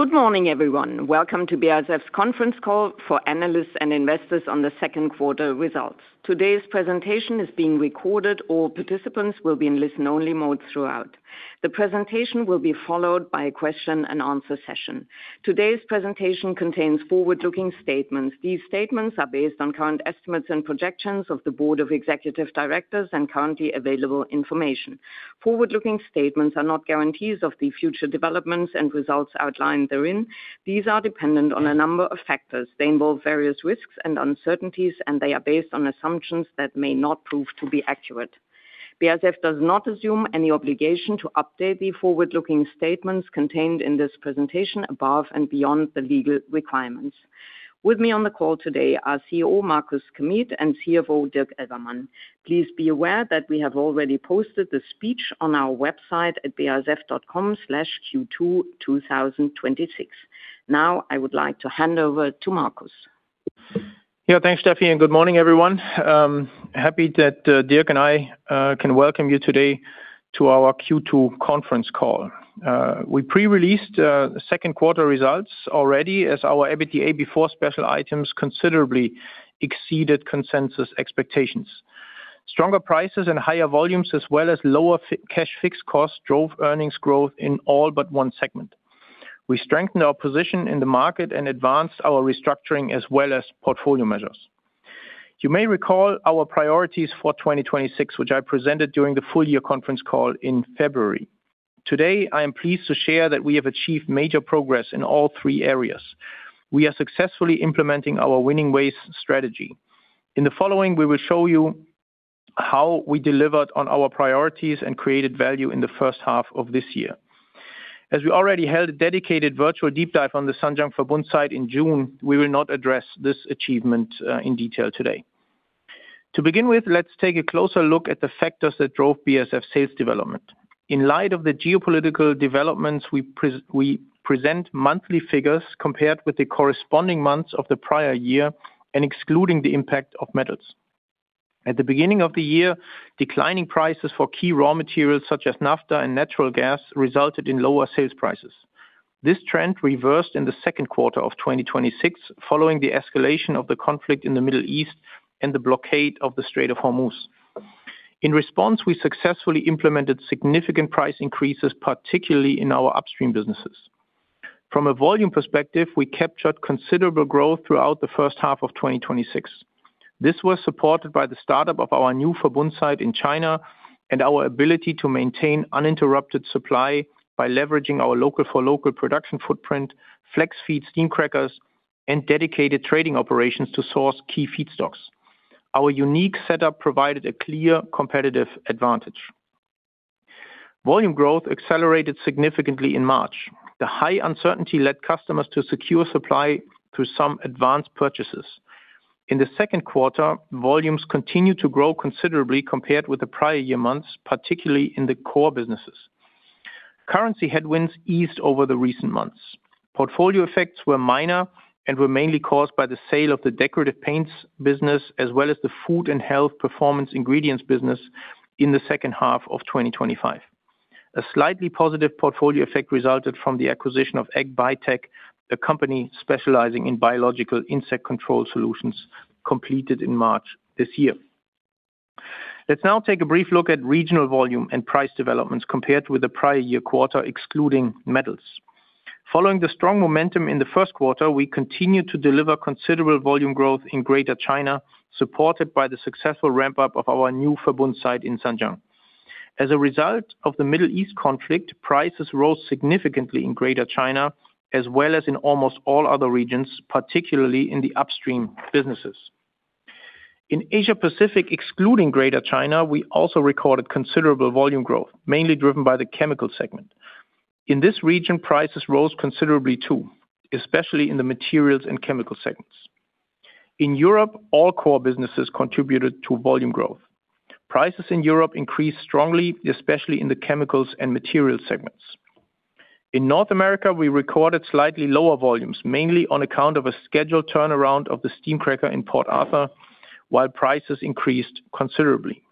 Good morning, everyone. Welcome to BASF's conference call for analysts and investors on the second quarter results. Today's presentation is being recorded. All participants will be in listen-only mode throughout. The presentation will be followed by a question and answer session. Today's presentation contains forward-looking statements. These statements are based on current estimates and projections of the Board of Executive Directors and currently available information. Forward-looking statements are not guarantees of the future developments and results outlined therein. These are dependent on a number of factors. They involve various risks and uncertainties, and they are based on assumptions that may not prove to be accurate. BASF does not assume any obligation to update the forward-looking statements contained in this presentation above and beyond the legal requirements. With me on the call today are CEO Markus Kamieth and CFO Dirk Elvermann. Now, please be aware that we have already posted the speech on our website at basf.com/q22026. I would like to hand over to Markus. Thanks, Stefanie, and good morning, everyone. Happy that Dirk and I can welcome you today to our Q2 conference call. We pre-released the second quarter results already as our EBITDA before special items considerably exceeded consensus expectations. Stronger prices and higher volumes, as well as lower cash fixed costs drove earnings growth in all but one segment. We strengthened our position in the market and advanced our restructuring as well as portfolio measures. You may recall our priorities for 2026, which I presented during the full-year conference call in February. Today, I am pleased to share that we have achieved major progress in all three areas. We are successfully implementing our Winning Ways strategy. In the following, we will show you how we delivered on our priorities and created value in the first half of this year. As we already held a dedicated virtual deep dive on the Zhanjiang Verbund site in June, we will not address this achievement in detail today. Let's take a closer look at the factors that drove BASF sales development. In light of the geopolitical developments, we present monthly figures compared with the corresponding months of the prior year and excluding the impact of metals. At the beginning of the year, declining prices for key raw materials such as naphtha and natural gas resulted in lower sales prices. This trend reversed in the second quarter of 2026 following the escalation of the conflict in the Middle East and the blockade of the Strait of Hormuz. In response, we successfully implemented significant price increases, particularly in our upstream businesses. From a volume perspective, we captured considerable growth throughout the first half of 2026. This was supported by the startup of our new Verbund site in China and our ability to maintain uninterrupted supply by leveraging our local for local production footprint, flex feed steam crackers, and dedicated trading operations to source key feedstocks. Our unique setup provided a clear competitive advantage. Volume growth accelerated significantly in March. The high uncertainty led customers to secure supply through some advanced purchases. In the second quarter, volumes continued to grow considerably compared with the prior year months, particularly in the core businesses. Currency headwinds eased over the recent months. Portfolio effects were minor and were mainly caused by the sale of the decorative paints business as well as the Food and Health Performance Ingredients business in the second half of 2025. A slightly positive portfolio effect resulted from the acquisition of AgBiTech, a company specializing in biological insect control solutions completed in March this year. Let's now take a brief look at regional volume and price developments compared with the prior year quarter excluding metals. Following the strong momentum in the first quarter, we continued to deliver considerable volume growth in Greater China, supported by the successful ramp-up of our new Verbund site in Zhanjiang. As a result of the Middle East conflict, prices rose significantly in Greater China as well as in almost all other regions, particularly in the upstream businesses. In Asia-Pacific, excluding Greater China, we also recorded considerable volume growth, mainly driven by the chemical segment. In this region, prices rose considerably too, especially in the materials and chemical segments. In Europe, all core businesses contributed to volume growth. Prices in Europe increased strongly, especially in the chemicals and material segments. In North America, we recorded slightly lower volumes, mainly on account of a scheduled turnaround of the steam cracker in Port Arthur, while prices increased considerably.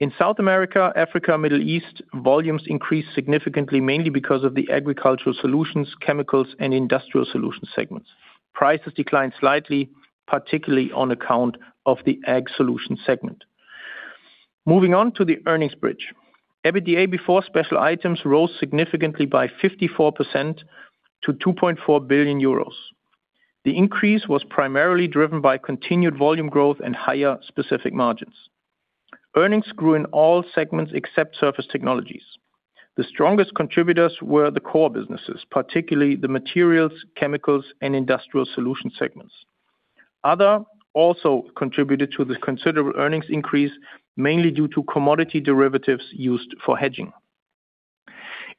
In South America, Africa, Middle East, volumes increased significantly, mainly because of the Agricultural Solutions, chemicals, and Industrial Solutions segments. Prices declined slightly, particularly on account of the Ag solution segment. Moving on to the earnings bridge. EBITDA before special items rose significantly by 54% to 2.4 billion euros. The increase was primarily driven by continued volume growth and higher specific margins. Earnings grew in all segments except Surface Technologies. The strongest contributors were the core businesses, particularly the materials, chemicals, and Industrial Solutions segments. Other also contributed to the considerable earnings increase, mainly due to commodity derivatives used for hedging.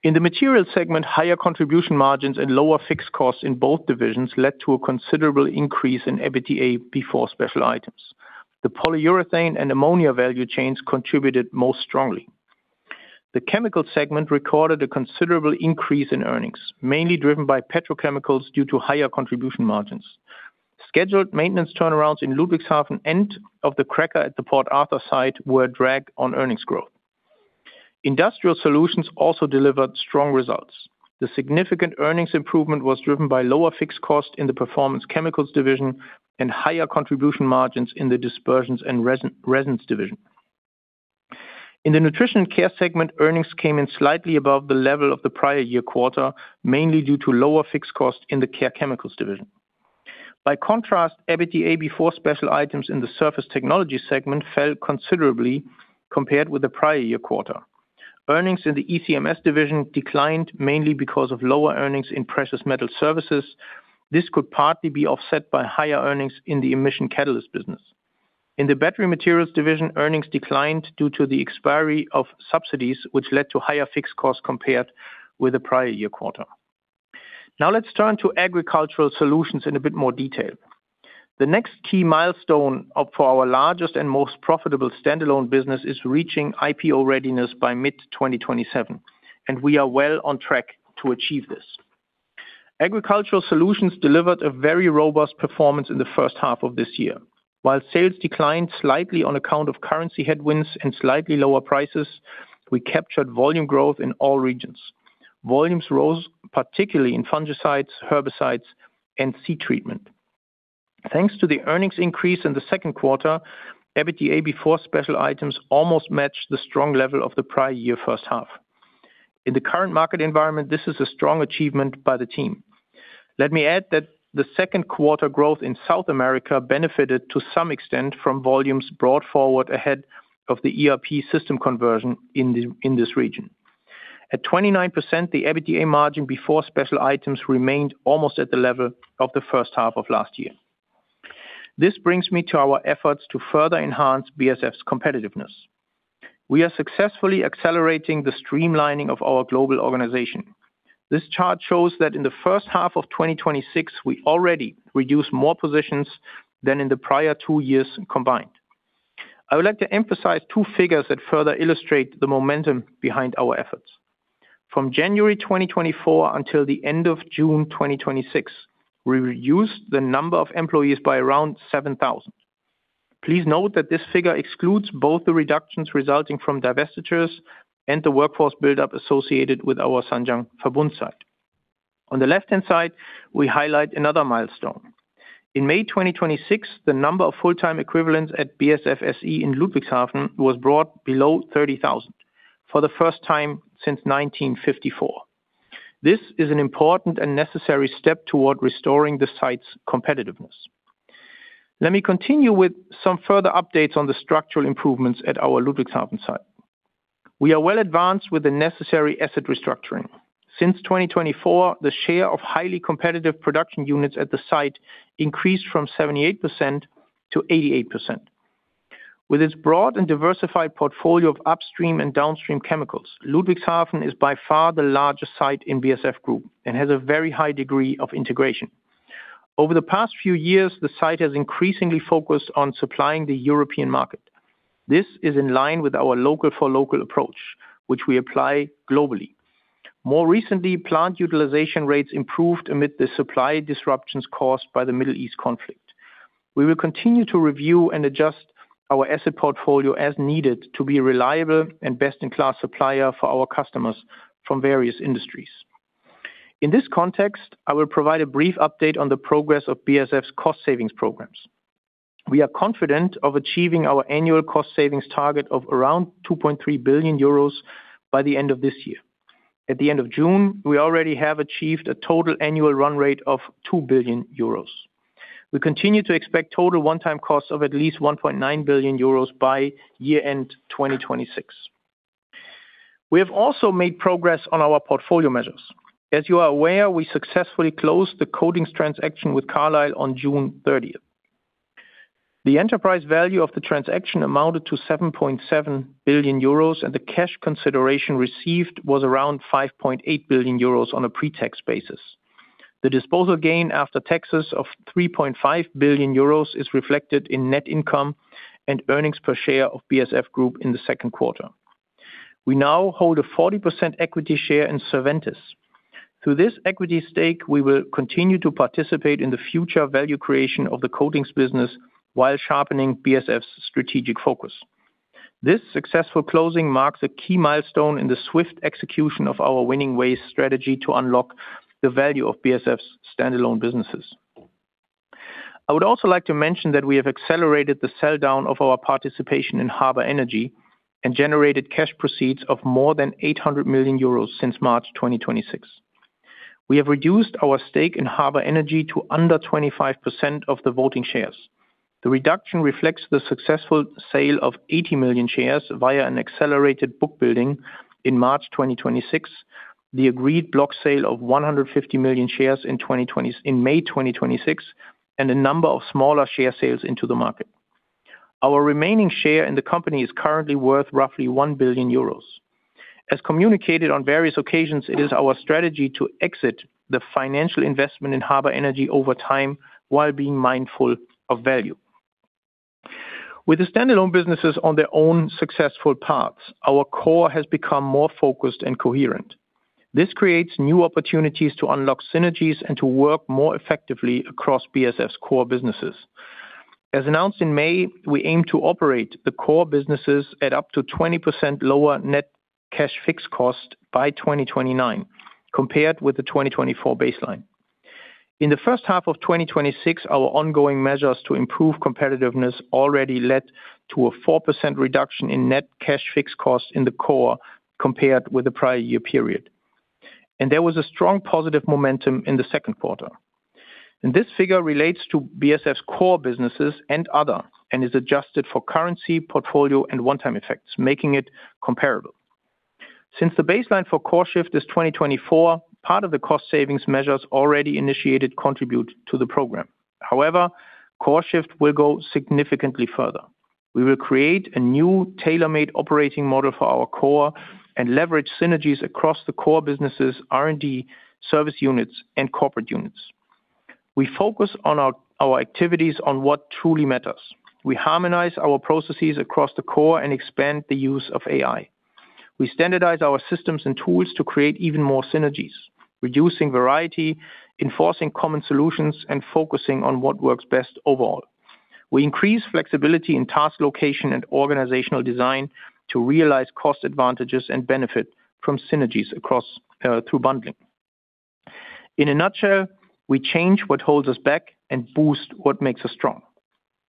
In the material segment, higher contribution margins and lower fixed costs in both divisions led to a considerable increase in EBITDA before special items. The polyurethane and ammonia value chains contributed most strongly. The chemical segment recorded a considerable increase in earnings, mainly driven by petrochemicals due to higher contribution margins. Scheduled maintenance turnarounds in Ludwigshafen and of the cracker at the Port Arthur site were a drag on earnings growth. Industrial Solutions also delivered strong results. The significant earnings improvement was driven by lower fixed costs in the Performance Chemicals division and higher contribution margins in the Dispersions & Resins division. In the Nutrition & Care segment, earnings came in slightly above the level of the prior year quarter, mainly due to lower fixed costs in the Care Chemicals division. By contrast, EBITDA before special items in the Surface Technologies segment fell considerably compared with the prior year quarter. Earnings in the ECMS division declined mainly because of lower earnings in Precious Metal Services. This could partly be offset by higher earnings in the emission catalyst business. In the Battery Materials division, earnings declined due to the expiry of subsidies, which led to higher fixed costs compared with the prior year quarter. Now let's turn to Agricultural Solutions in a bit more detail. The next key milestone for our largest and most profitable standalone business is reaching IPO readiness by mid-2027, and we are well on track to achieve this. Agricultural Solutions delivered a very robust performance in the first half of this year. While sales declined slightly on account of currency headwinds and slightly lower prices, we captured volume growth in all regions. Volumes rose particularly in fungicides, herbicides, and seed treatment. Thanks to the earnings increase in the second quarter, EBITDA before special items almost matched the strong level of the prior year first half. In the current market environment, this is a strong achievement by the team. Let me add that the second quarter growth in South America benefited to some extent from volumes brought forward ahead of the ERP system conversion in this region. At 29%, the EBITDA margin before special items remained almost at the level of the first half of last year. This brings me to our efforts to further enhance BASF's competitiveness. We are successfully accelerating the streamlining of our global organization. This chart shows that in the first half of 2026, we already reduced more positions than in the prior two years combined. I would like to emphasize two figures that further illustrate the momentum behind our efforts. From January 2024 until the end of June 2026, we reduced the number of employees by around 7,000. Please note that this figure excludes both the reductions resulting from divestitures and the workforce buildup associated with our Zhanjiang Verbund site. On the left-hand side, we highlight another milestone. In May 2026, the number of full-time equivalents at BASF SE in Ludwigshafen was brought below 30,000 for the first time since 1954. This is an important and necessary step toward restoring the site's competitiveness. Let me continue with some further updates on the structural improvements at our Ludwigshafen site. We are well advanced with the necessary asset restructuring. Since 2024, the share of highly competitive production units at the site increased from 78% to 88%. With its broad and diversified portfolio of upstream and downstream chemicals, Ludwigshafen is by far the largest site in BASF Group and has a very high degree of integration. Over the past few years, the site has increasingly focused on supplying the European market. This is in line with our local for local approach, which we apply globally. More recently, plant utilization rates improved amid the supply disruptions caused by the Middle East conflict. We will continue to review and adjust our asset portfolio as needed to be a reliable and best-in-class supplier for our customers from various industries. In this context, I will provide a brief update on the progress of BASF's cost savings programs. We are confident of achieving our annual cost savings target of around 2.3 billion euros by the end of this year. At the end of June, we already have achieved a total annual run rate of 2 billion euros. We continue to expect total one-time costs of at least 1.9 billion euros by year-end 2026. We have also made progress on our portfolio measures. As you are aware, we successfully closed the Coatings transaction with Carlyle on June 30th. The enterprise value of the transaction amounted to 7.7 billion euros, and the cash consideration received was around 5.8 billion euros on a pre-tax basis. The disposal gain after taxes of 3.5 billion euros is reflected in net income and earnings per share of BASF Group in the second quarter. We now hold a 40% equity share in Surventis. Through this equity stake, we will continue to participate in the future value creation of the Coatings business while sharpening BASF's strategic focus. This successful closing marks a key milestone in the swift execution of our Winning Ways strategy to unlock the value of BASF's standalone businesses. I would also like to mention that we have accelerated the sell-down of our participation in Harbour Energy and generated cash proceeds of more than 800 million euros since March 2026. We have reduced our stake in Harbour Energy to under 25% of the voting shares. The reduction reflects the successful sale of 80 million shares via an accelerated book building in March 2026, the agreed block sale of 150 million shares in May 2026, and a number of smaller share sales into the market. Our remaining share in the company is currently worth roughly 1 billion euros. As communicated on various occasions, it is our strategy to exit the financial investment in Harbour Energy over time while being mindful of value. With the standalone businesses on their own successful paths, our core has become more focused and coherent. This creates new opportunities to unlock synergies and to work more effectively across BASF's core businesses. As announced in May, we aim to operate the core businesses at up to 20% lower net cash fixed cost by 2029 compared with the 2024 baseline. In the first half of 2026, our ongoing measures to improve competitiveness already led to a 4% reduction in net cash fixed costs in the core compared with the prior year period, and there was a strong positive momentum in the second quarter. This figure relates to BASF's core businesses and other, and is adjusted for currency, portfolio and one-time effects, making it comparable. Since the baseline for CoreShift is 2024, part of the cost savings measures already initiated contribute to the program. However, CoreShift will go significantly further. We will create a new tailor-made operating model for our core and leverage synergies across the core businesses, R&D, service units, and corporate units. We focus our activities on what truly matters. We harmonize our processes across the core and expand the use of AI. We standardize our systems and tools to create even more synergies, reducing variety, enforcing common solutions, and focusing on what works best overall. We increase flexibility in task location and organizational design to realize cost advantages and benefit from synergies through bundling. In a nutshell, we change what holds us back and boost what makes us strong.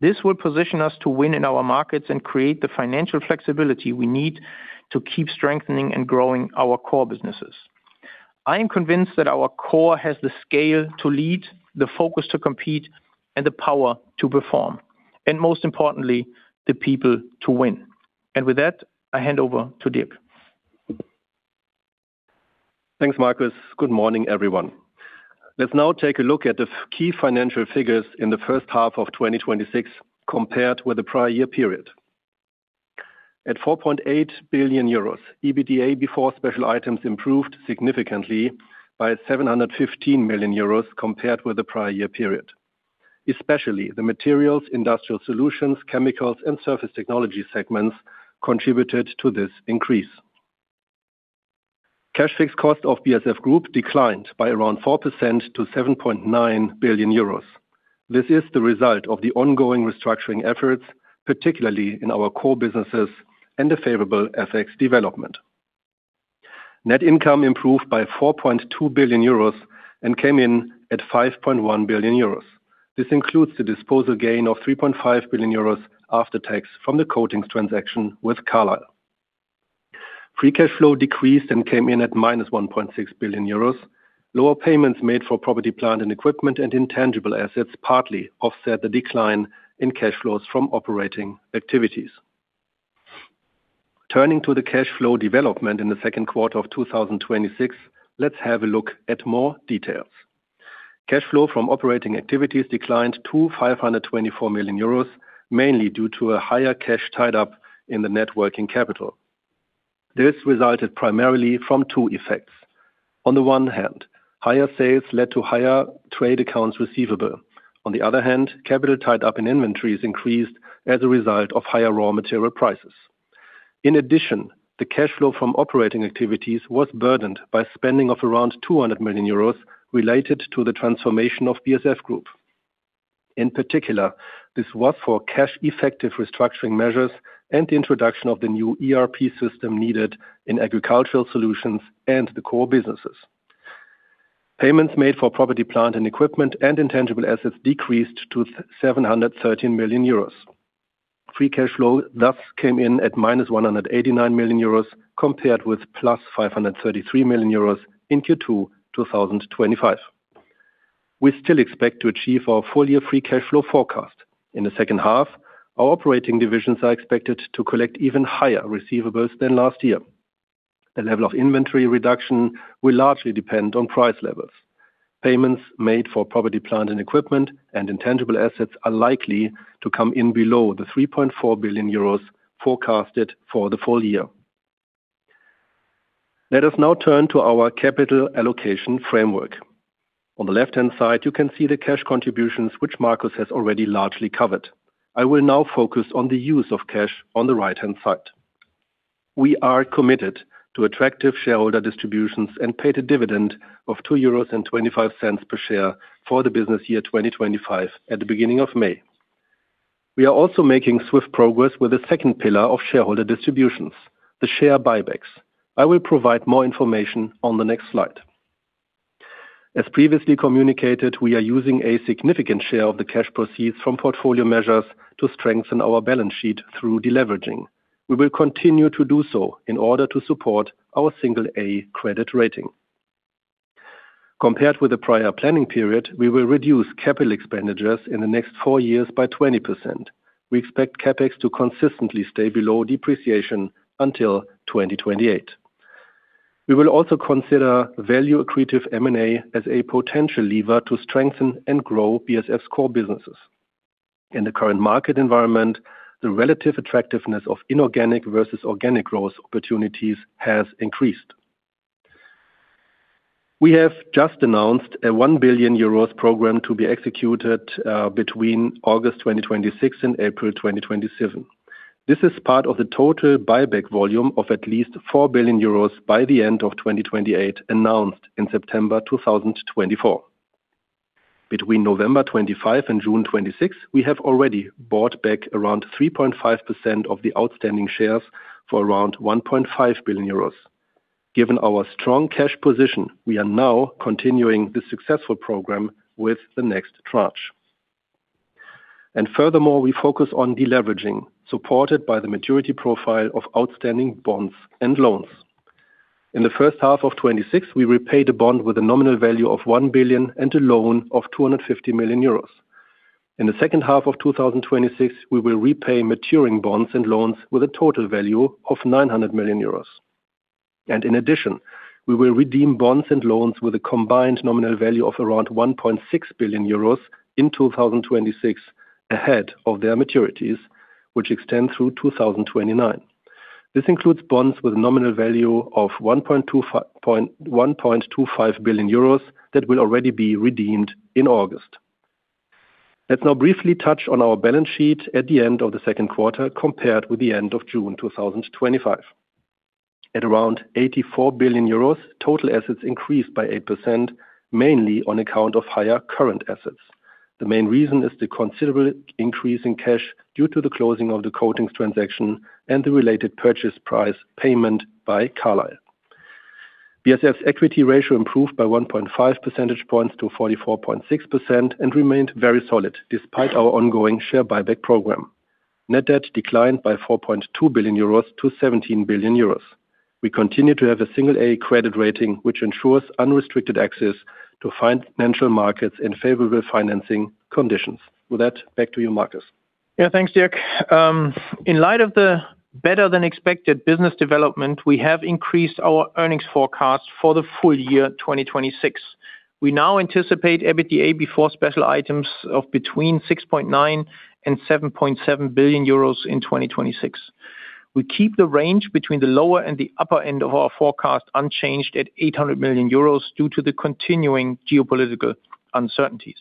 This will position us to win in our markets and create the financial flexibility we need to keep strengthening and growing our core businesses. I am convinced that our core has the scale to lead, the focus to compete, and the power to perform, and most importantly, the people to win. With that, I hand over to Dirk. Thanks, Markus. Good morning, everyone. Let's now take a look at the key financial figures in the first half of 2026 compared with the prior year period. At 4.8 billion euros, EBITDA before special items improved significantly by 715 million euros compared with the prior year period. Especially the Materials, Industrial Solutions, Chemicals, and Surface Technologies segments contributed to this increase. Cash fixed costs of BASF Group declined by around 4% to 7.9 billion euros. This is the result of the ongoing restructuring efforts, particularly in our core businesses and the favorable FX development. Net income improved by 4.2 billion euros and came in at 5.1 billion euros. This includes the disposal gain of 3.5 billion euros after tax from the Coatings transaction with Carlyle. Free cash flow decreased and came in at -1.6 billion euros. Lower payments made for property, plant and equipment and intangible assets partly offset the decline in cash flows from operating activities. Turning to the cash flow development in the second quarter of 2026, let's have a look at more details. Cash flow from operating activities declined to 524 million euros, mainly due to a higher cash tied up in the net working capital. This resulted primarily from two effects. On the one hand, higher sales led to higher trade accounts receivable. On the other hand, capital tied up in inventories increased as a result of higher raw material prices. In addition, the cash flow from operating activities was burdened by spending of around 200 million euros related to the transformation of BASF Group. In particular, this was for cash effective restructuring measures and the introduction of the new ERP system needed in Agricultural Solutions and the core businesses. Payments made for property, plant and equipment and intangible assets decreased to 713 million euros. Free cash flow thus came in at -189 million euros compared with +533 million euros in Q2 2025. We still expect to achieve our full-year free cash flow forecast. In the second half, our operating divisions are expected to collect even higher receivables than last year. The level of inventory reduction will largely depend on price levels. Payments made for property, plant and equipment and intangible assets are likely to come in below the 3.4 billion euros forecasted for the full year. Let us now turn to our capital allocation framework. On the left-hand side, you can see the cash contributions, which Markus has already largely covered. I will now focus on the use of cash on the right-hand side. We are committed to attractive shareholder distributions and paid a dividend of 2.25 euros per share for the business year 2025 at the beginning of May. We are also making swift progress with the second pillar of shareholder distributions, the share buybacks. I will provide more information on the next slide. As previously communicated, we are using a significant share of the cash proceeds from portfolio measures to strengthen our balance sheet through deleveraging. We will continue to do so in order to support our single A credit rating. Compared with the prior planning period, we will reduce capital expenditures in the next four years by 20%. We expect CapEx to consistently stay below depreciation until 2028. We will also consider value accretive M&A as a potential lever to strengthen and grow BASF's core businesses. In the current market environment, the relative attractiveness of inorganic versus organic growth opportunities has increased. We have just announced a 1 billion euros program to be executed between August 2026 and April 2027. This is part of the total buyback volume of at least 4 billion euros by the end of 2028, announced in September 2024. Between November 2025 and June 2026, we have already bought back around 3.5% of the outstanding shares for around 1.5 billion euros. Given our strong cash position, we are now continuing the successful program with the next tranche. Furthermore, we focus on deleveraging, supported by the maturity profile of outstanding bonds and loans. In the first half of 2026, we repaid a bond with a nominal value of 1 billion and a loan of 250 million euros. In the second half of 2026, we will repay maturing bonds and loans with a total value of 900 million euros. In addition, we will redeem bonds and loans with a combined nominal value of around 1.6 billion euros in 2026 ahead of their maturities, which extend through 2029. This includes bonds with a nominal value of 1.25 billion euros that will already be redeemed in August. Let's now briefly touch on our balance sheet at the end of the second quarter, compared with the end of June 2025. At around 84 billion euros, total assets increased by 8%, mainly on account of higher current assets. The main reason is the considerable increase in cash due to the closing of the Coatings transaction and the related purchase price payment by Carlyle. BASF's equity ratio improved by 1.5 percentage points to 44.6% and remained very solid despite our ongoing share buyback program. Net debt declined by 4.2 billion euros to 17 billion euros. We continue to have a single A credit rating, which ensures unrestricted access to financial markets and favorable financing conditions. With that, back to you, Markus. Thanks, Dirk. In light of the better-than-expected business development, we have increased our earnings forecast for the full year 2026. We now anticipate EBITDA before special items of between 6.9 billion and 7.7 billion euros in 2026. We keep the range between the lower and the upper end of our forecast unchanged at 800 million euros due to the continuing geopolitical uncertainties.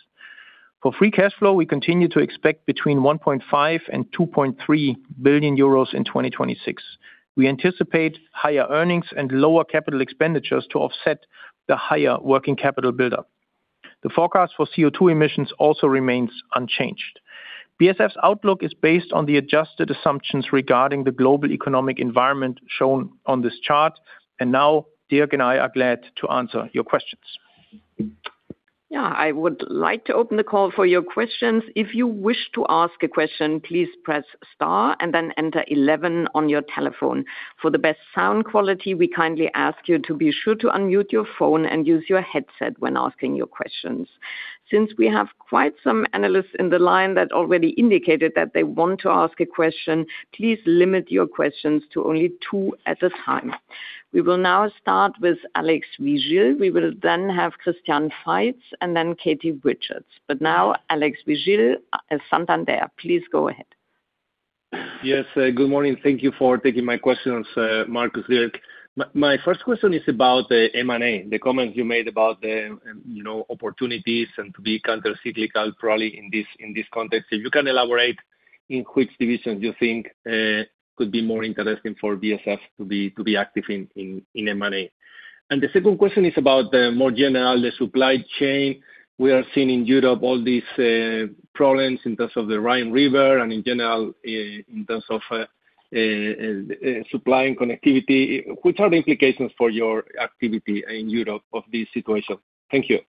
For free cash flow, we continue to expect between 1.5 billion and 2.3 billion euros in 2026. We anticipate higher earnings and lower capital expenditures to offset the higher working capital buildup. The forecast for CO2 emissions also remains unchanged. BASF's outlook is based on the adjusted assumptions regarding the global economic environment shown on this chart. Now Dirk and I are glad to answer your questions. I would like to open the call for your questions. If you wish to ask a question, please press star and then enter eleven on your telephone. For the best sound quality, we kindly ask you to be sure to unmute your phone and use your headset when asking your questions. Since we have quite some analysts in the line that already indicated that they want to ask a question, please limit your questions to only two at a time. We will now start with Alex Vigil. We will then have Christian Faitz and then Katie Richards. Now Alex Vigil at Santander, please go ahead. Good morning. Thank you for taking my questions, Markus, Dirk. My first question is about the M&A, the comment you made about the opportunities and to be countercyclical, probably in this context. If you can elaborate in which divisions you think could be more interesting for BASF to be active in M&A. The second question is about the more general, the supply chain. We are seeing in Europe all these problems in terms of the Rhine River and in general, in terms of supply and connectivity. What are the implications for your activity in Europe of this situation? Thank you.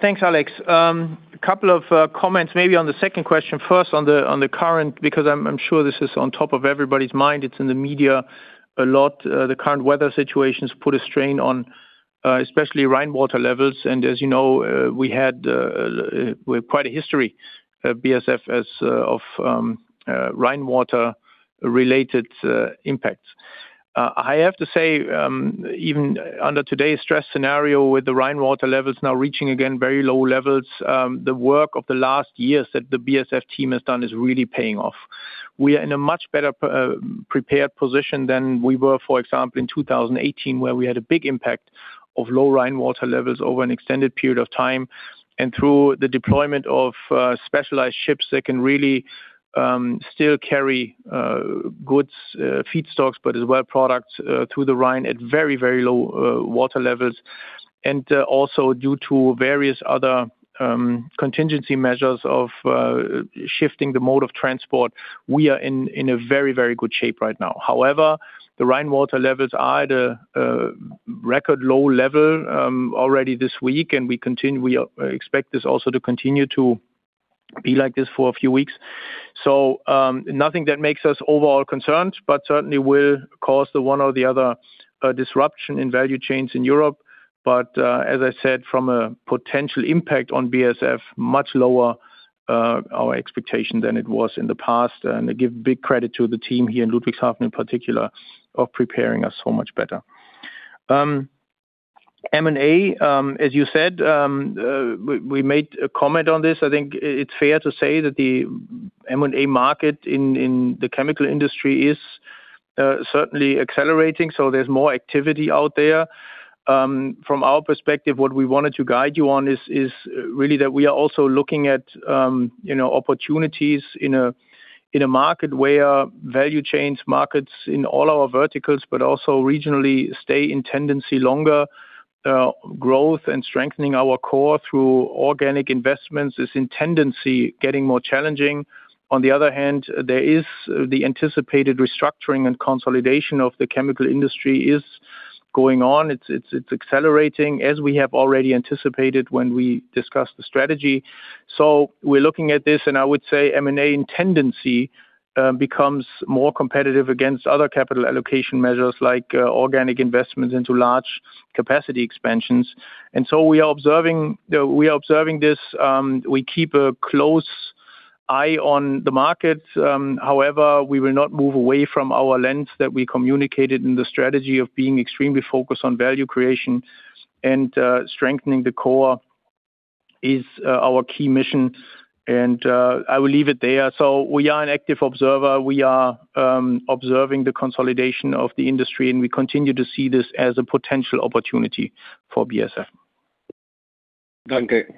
Thanks, Alex. A couple of comments maybe on the second question first on the current, because I'm sure this is on top of everybody's mind. It's in the media a lot. The current weather situations put a strain on especially rainwater levels. As you know, we have quite a history at BASF as of rainwater-related impacts. I have to say, even under today's stress scenario with the rainwater levels now reaching again very low levels, the work of the last years that the BASF team has done is really paying off. We are in a much better prepared position than we were, for example, in 2018, where we had a big impact of low rainwater levels over an extended period of time. Through the deployment of specialized ships that can really still carry goods, feedstocks, but as well products through the Rhine at very low water levels, and also due to various other contingency measures of shifting the mode of transport, we are in a very good shape right now. However, the rainwater levels are at a record low level already this week, and we expect this also to continue to be like this for a few weeks. Nothing that makes us overall concerned, but certainly will cause the one or the other disruption in value chains in Europe. As I said, from a potential impact on BASF, much lower our expectation than it was in the past. I give big credit to the team here in Ludwigshafen in particular of preparing us so much better. M&A, as you said, we made a comment on this. I think it's fair to say that the M&A market in the chemical industry is certainly accelerating. There's more activity out there. From our perspective, what we wanted to guide you on is really that we are also looking at opportunities in a market where value chains markets in all our verticals, but also regionally, stay in tendency longer. Growth and strengthening our core through organic investments is in tendency getting more challenging. On the other hand, the anticipated restructuring and consolidation of the chemical industry is going on. It's accelerating as we have already anticipated when we discussed the strategy. We're looking at this, and I would say M&A in tendency becomes more competitive against other capital allocation measures like organic investments into large capacity expansions. We are observing this. We keep a close eye on the market. However, we will not move away from our lens that we communicated in the strategy of being extremely focused on value creation and strengthening the core is our key mission. I will leave it there. We are an active observer. We are observing the consolidation of the industry, and we continue to see this as a potential opportunity for BASF. Danke.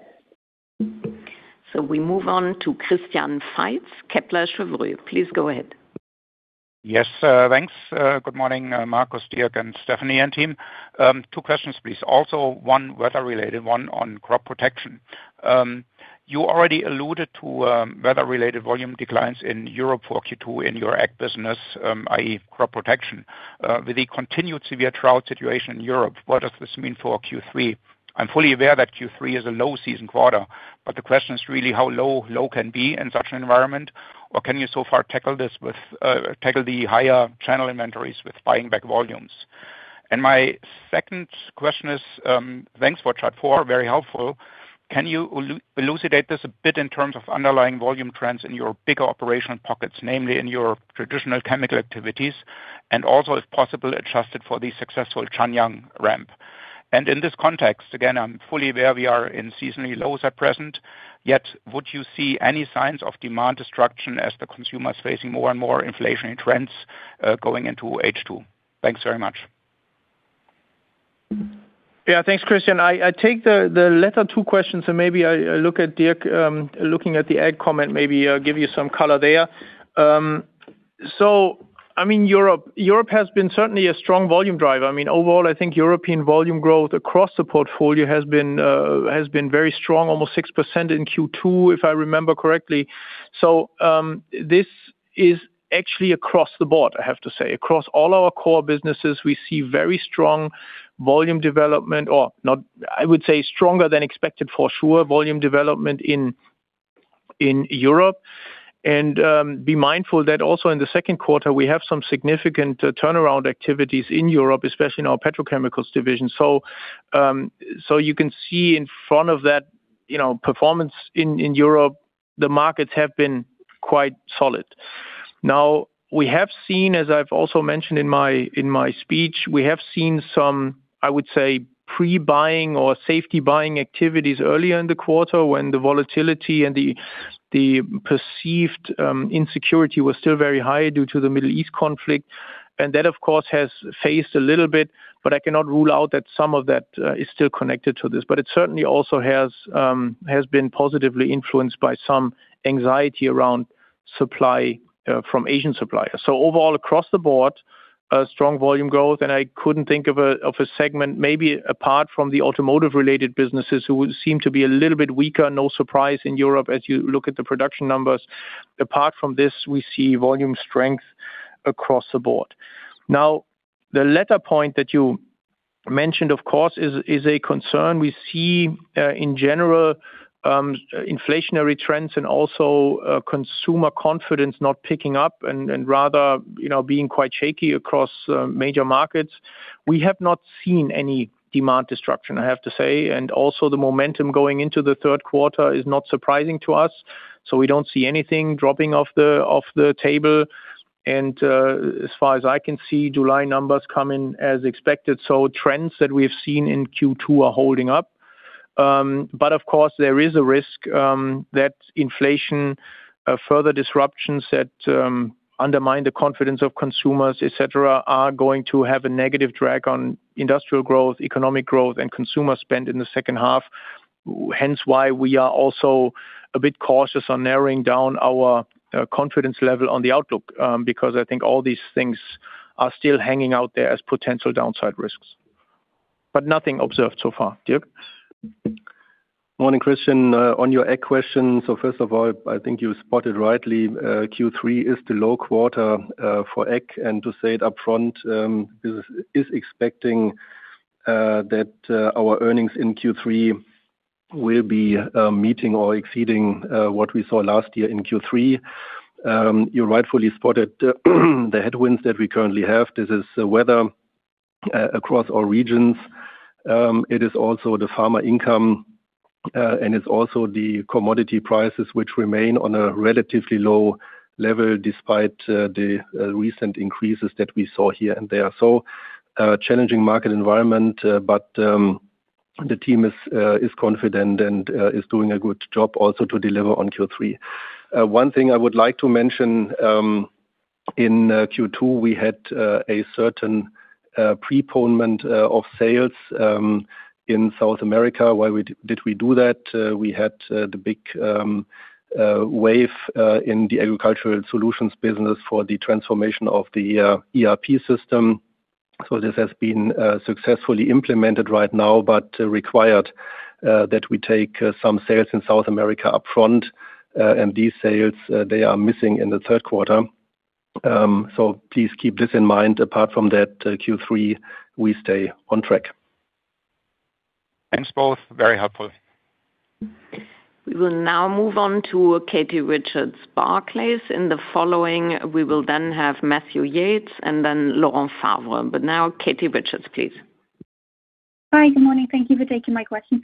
We move on to Christian Faitz, Kepler Cheuvreux. Please go ahead. Yes, thanks. Good morning, Markus, Dirk, and Stefanie, and team. Two questions, please. Also, one weather-related, one on crop protection. You already alluded to weather-related volume declines in Europe for Q2 in your Ag business, i.e., crop protection. With the continued severe drought situation in Europe, what does this mean for Q3? I'm fully aware that Q3 is a low season quarter, but the question is really how low low can be in such an environment, or can you so far tackle the higher channel inventories with buying back volumes? My second question is, thanks for Chart Four, very helpful. Can you elucidate this a bit in terms of underlying volume trends in your bigger operational pockets, namely in your traditional chemical activities, and also, if possible, adjusted for the successful Zhanjiang ramp? In this context, again, I'm fully aware we are in seasonal lows at present, yet would you see any signs of demand destruction as the consumer is facing more and more inflationary trends going into H2? Thanks very much. Yeah. Thanks, Christian. I take the latter two questions and maybe I look at Dirk, looking at the Ag comment, maybe give you some color there. Europe has been certainly a strong volume driver. Overall, I think European volume growth across the portfolio has been very strong, almost 6% in Q2 if I remember correctly. This is actually across the board, I have to say. Across all our core businesses, we see very strong volume development, or I would say stronger than expected for sure volume development in Europe. Be mindful that also in the second quarter, we have some significant turnaround activities in Europe, especially in our petrochemicals division. You can see in front of that performance in Europe, the markets have been quite solid. We have seen, as I've also mentioned in my speech, we have seen some, I would say, pre-buying or safety buying activities earlier in the quarter when the volatility and the perceived insecurity was still very high due to the Middle East conflict. That, of course, has phased a little bit, but I cannot rule out that some of that is still connected to this. It certainly also has been positively influenced by some anxiety around supply from Asian suppliers. Overall, across the board, a strong volume growth, and I couldn't think of a segment maybe apart from the automotive-related businesses who seem to be a little bit weaker. No surprise in Europe as you look at the production numbers. Apart from this, we see volume strength across the board. The latter point that you mentioned, of course, is a concern. We see, in general, inflationary trends and also consumer confidence not picking up and rather being quite shaky across major markets. We have not seen any demand destruction, I have to say, and also the momentum going into the third quarter is not surprising to us. We don't see anything dropping off the table. As far as I can see, July numbers come in as expected. Trends that we've seen in Q2 are holding up. Of course, there is a risk that inflation, further disruptions that undermine the confidence of consumers, et cetera, are going to have a negative drag on industrial growth, economic growth, and consumer spend in the second half. Hence why we are also a bit cautious on narrowing down our confidence level on the outlook. I think all these things are still hanging out there as potential downside risks, but nothing observed so far. Dirk? Morning, Christian. On your Ag question. First of all, I think you spotted rightly, Q3 is the low quarter for ag, and to say it upfront, this is expecting that our earnings in Q3 will be meeting or exceeding what we saw last year in Q3. You rightfully spotted the headwinds that we currently have. This is the weather across all regions. It is also the farmer income. It's also the commodity prices, which remain on a relatively low level despite the recent increases that we saw here, and they are so challenging market environment. The team is confident and is doing a good job also to deliver on Q3. One thing I would like to mention, in Q2, we had a certain preponement of sales in South America. Why did we do that? We had the big wave in the Agricultural Solutions business for the transformation of the ERP system. This has been successfully implemented right now, but required that we take some sales in South America upfront. These sales, they are missing in the third quarter. Please keep this in mind. Apart from that, Q3, we stay on track. Thanks both. Very helpful. We will now move on to Katie Richards, Barclays. In the following, we will then have Matthew Yates and then Laurent Favre. Now Katie Richards, please. Hi. Good morning. Thank you for taking my question.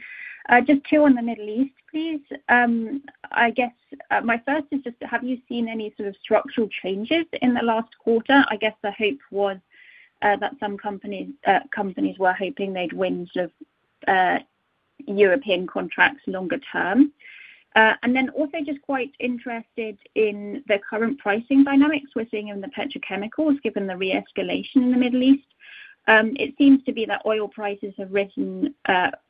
Just two on the Middle East, please. I guess, my first is just have you seen any sort of structural changes in the last quarter? I guess the hope was that some companies were hoping they'd win sort of European contracts longer term. Then also just quite interested in the current pricing dynamics we're seeing in the petrochemicals, given the re-escalation in the Middle East. It seems to be that oil prices have risen,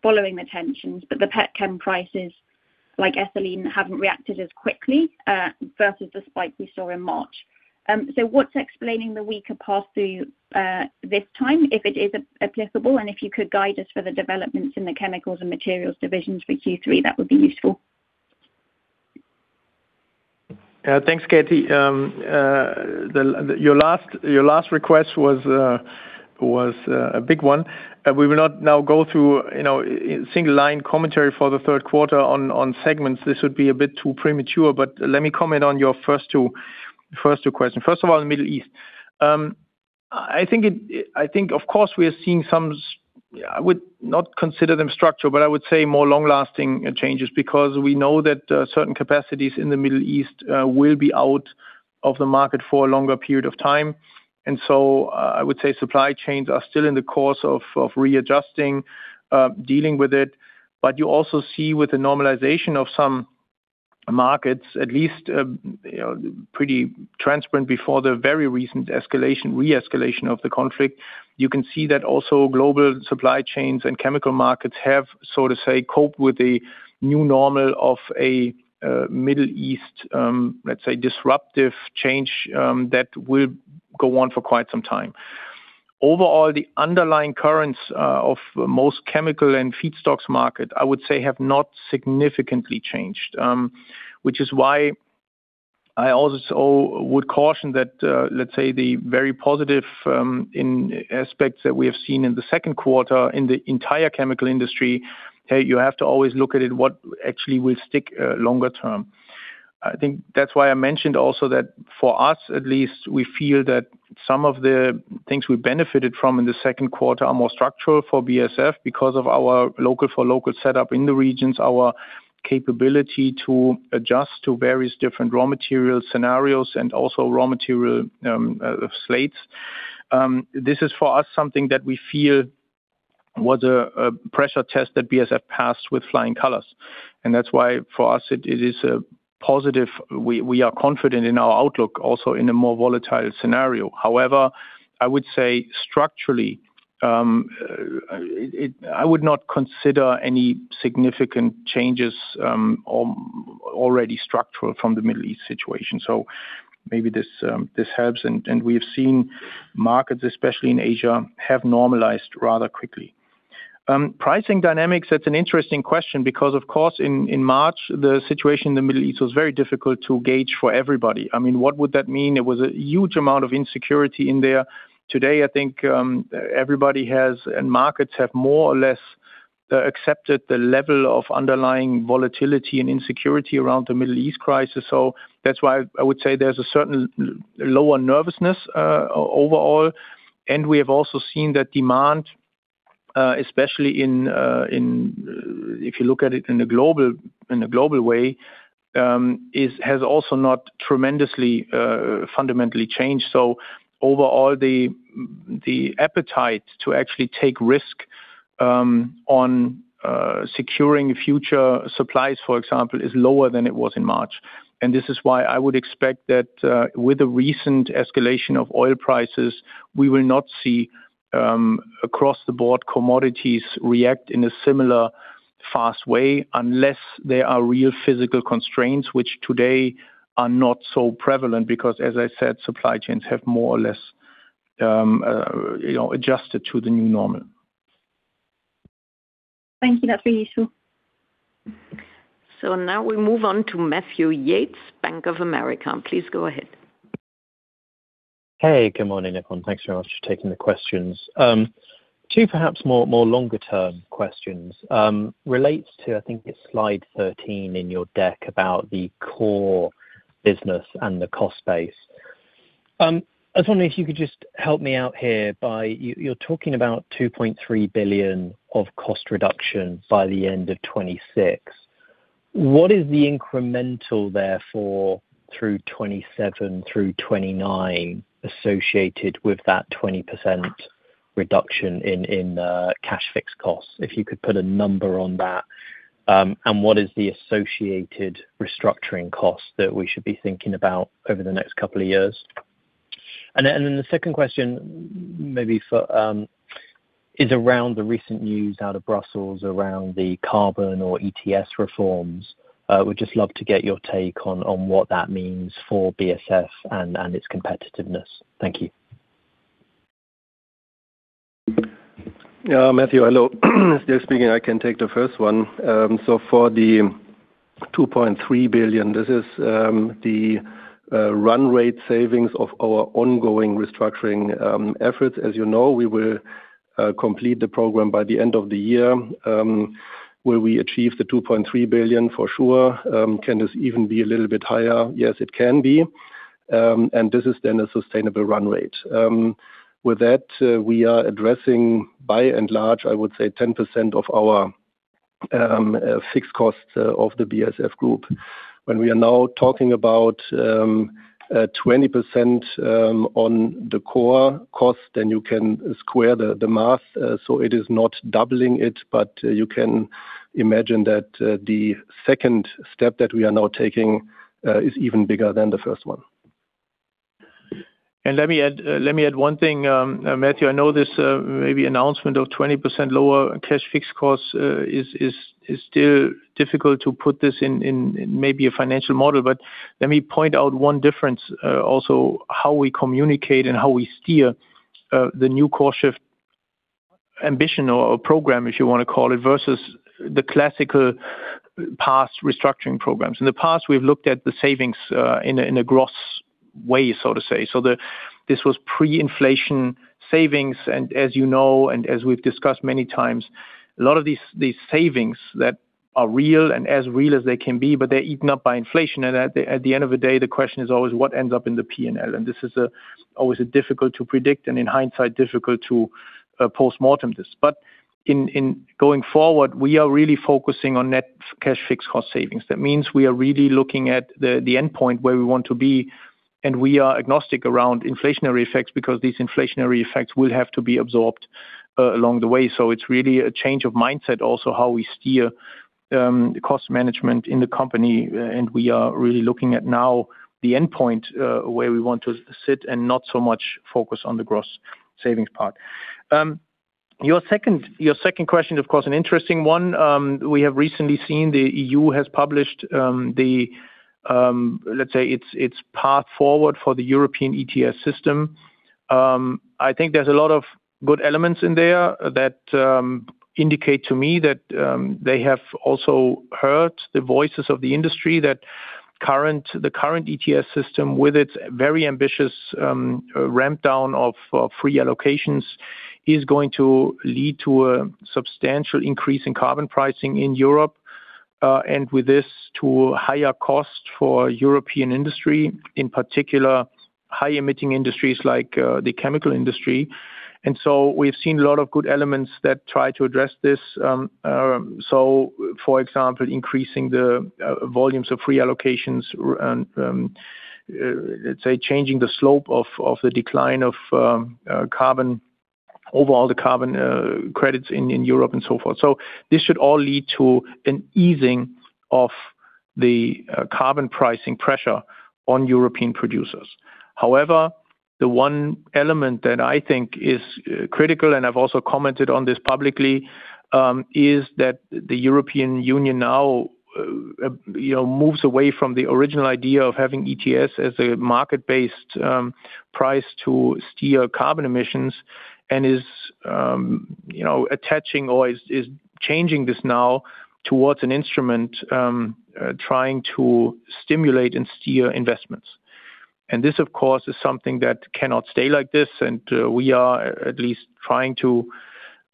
following the tensions, but the pet chem prices, like ethylene, haven't reacted as quickly, versus the spike we saw in March. What's explaining the weaker pass-through, this time, if it is applicable, and if you could guide us for the developments in the chemicals and materials divisions for Q3, that would be useful. Thanks, Katie. Your last request was a big one. We will not now go through single line commentary for the third quarter on segments. This would be a bit too premature, let me comment on your first two questions. First of all, the Middle East. I think, of course, we are seeing some, I would not consider them structural, but I would say more long-lasting changes because we know that certain capacities in the Middle East will be out of the market for a longer period of time. So I would say supply chains are still in the course of readjusting, dealing with it. You also see with the normalization of some markets at least, pretty transparent before the very recent re-escalation of the conflict. You can see that also global supply chains and chemical markets have, so to say, coped with the new normal of a Middle East, let's say disruptive change that will go on for quite some time. Overall, the underlying currents of most chemical and feedstocks market, I would say, have not significantly changed. Which is why I also would caution that, let's say the very positive in aspects that we have seen in the second quarter in the entire chemical industry, hey, you have to always look at it, what actually will stick longer term. I think that's why I mentioned also that for us at least, we feel that some of the things we benefited from in the second quarter are more structural for BASF because of our local for local setup in the regions, our capability to adjust to various different raw material scenarios and also raw material slates. This is for us something that we feel was a pressure test that BASF passed with flying colors, and that's why for us it is a positive. We are confident in our outlook also in a more volatile scenario. I would say structurally, I would not consider any significant changes already structural from the Middle East situation. Maybe this helps. We have seen markets, especially in Asia, have normalized rather quickly. Pricing dynamics, that's an interesting question because of course, in March, the situation in the Middle East was very difficult to gauge for everybody. I mean, what would that mean? There was a huge amount of insecurity in there. Today, I think everybody has, and markets have more or less accepted the level of underlying volatility and insecurity around the Middle East crisis. That's why I would say there's a certain lower nervousness, overall, and we have also seen that demand, especially if you look at it in a global way, has also not tremendously, fundamentally changed. Overall the appetite to actually take risk on securing future supplies, for example, is lower than it was in March. This is why I would expect that with the recent escalation of oil prices, we will not see across the board commodities react in a similar fast way unless there are real physical constraints, which today are not so prevalent because as I said, supply chains have more or less adjusted to the new normal. Thank you. That's really useful. Now we move on to Matthew Yates, Bank of America. Please go ahead. Hey, good morning, everyone. Thanks very much for taking the questions. Two perhaps more longer-term questions, relates to, I think it's slide 13 in your deck about the core business and the cost base. I was wondering if you could just help me out here. You're talking about 2.3 billion of cost reduction by the end of 2026. What is the incremental therefore through 2027 through 2029 associated with that 20% reduction in cash fixed costs? If you could put a number on that. What is the associated restructuring cost that we should be thinking about over the next couple of years? The second question is around the recent news out of Brussels around the carbon or ETS reforms. Would just love to get your take on what that means for BASF and its competitiveness. Thank you. Matthew, hello. Steve speaking. I can take the first one. For the 2.3 billion, this is the run rate savings of our ongoing restructuring efforts. As you know, we will complete the program by the end of the year. Will we achieve the 2.3 billion for sure? Can this even be a little bit higher? Yes, it can be. This is then a sustainable run rate. With that, we are addressing by and large, I would say 10% of our fixed costs of the BASF Group. When we are now talking about 20% on the core cost, then you can square the math. It is not doubling it, but you can imagine that the second step that we are now taking, is even bigger than the first one. Let me add one thing, Matthew. I know this maybe announcement of 20% lower cash fixed costs is still difficult to put this in maybe a financial model, but let me point out one difference, also how we communicate and how we steer the new CoreShift ambition or program, if you want to call it, versus the classical past restructuring programs. In the past, we've looked at the savings in a gross way, so to say. This was pre-inflation savings. As you know, and as we've discussed many times, a lot of these savings that are real and as real as they can be, but they're eaten up by inflation, and at the end of the day, the question is always what ends up in the P&L? This is always difficult to predict and in hindsight difficult to postmortem this. Going forward, we are really focusing on net cash fixed cost savings. That means we are really looking at the endpoint where we want to be, and we are agnostic around inflationary effects because these inflationary effects will have to be absorbed along the way. It's really a change of mindset, also how we steer cost management in the company. We are really looking at now the endpoint, where we want to sit and not so much focus on the gross savings part. Your second question, of course, an interesting one. We have recently seen the EU has published, let's say its path forward for the European ETS system. I think there's a lot of good elements in there that indicate to me that they have also heard the voices of the industry that the current ETS system with its very ambitious ramp down of free allocations, is going to lead to a substantial increase in carbon pricing in Europe. With this, to higher cost for European industry, in particular, high emitting industries like the chemical industry. We've seen a lot of good elements that try to address this. For example, increasing the volumes of free allocations and, let's say changing the slope of the decline of overall the carbon credits in Europe and so forth. This should all lead to an easing of the carbon pricing pressure on European producers. However, the one element that I think is critical, and I've also commented on this publicly, is that the European Union now moves away from the original idea of having ETS as a market-based price to steer carbon emissions and is attaching or is changing this now towards an instrument, trying to stimulate and steer investments. This, of course, is something that cannot stay like this. We are at least trying to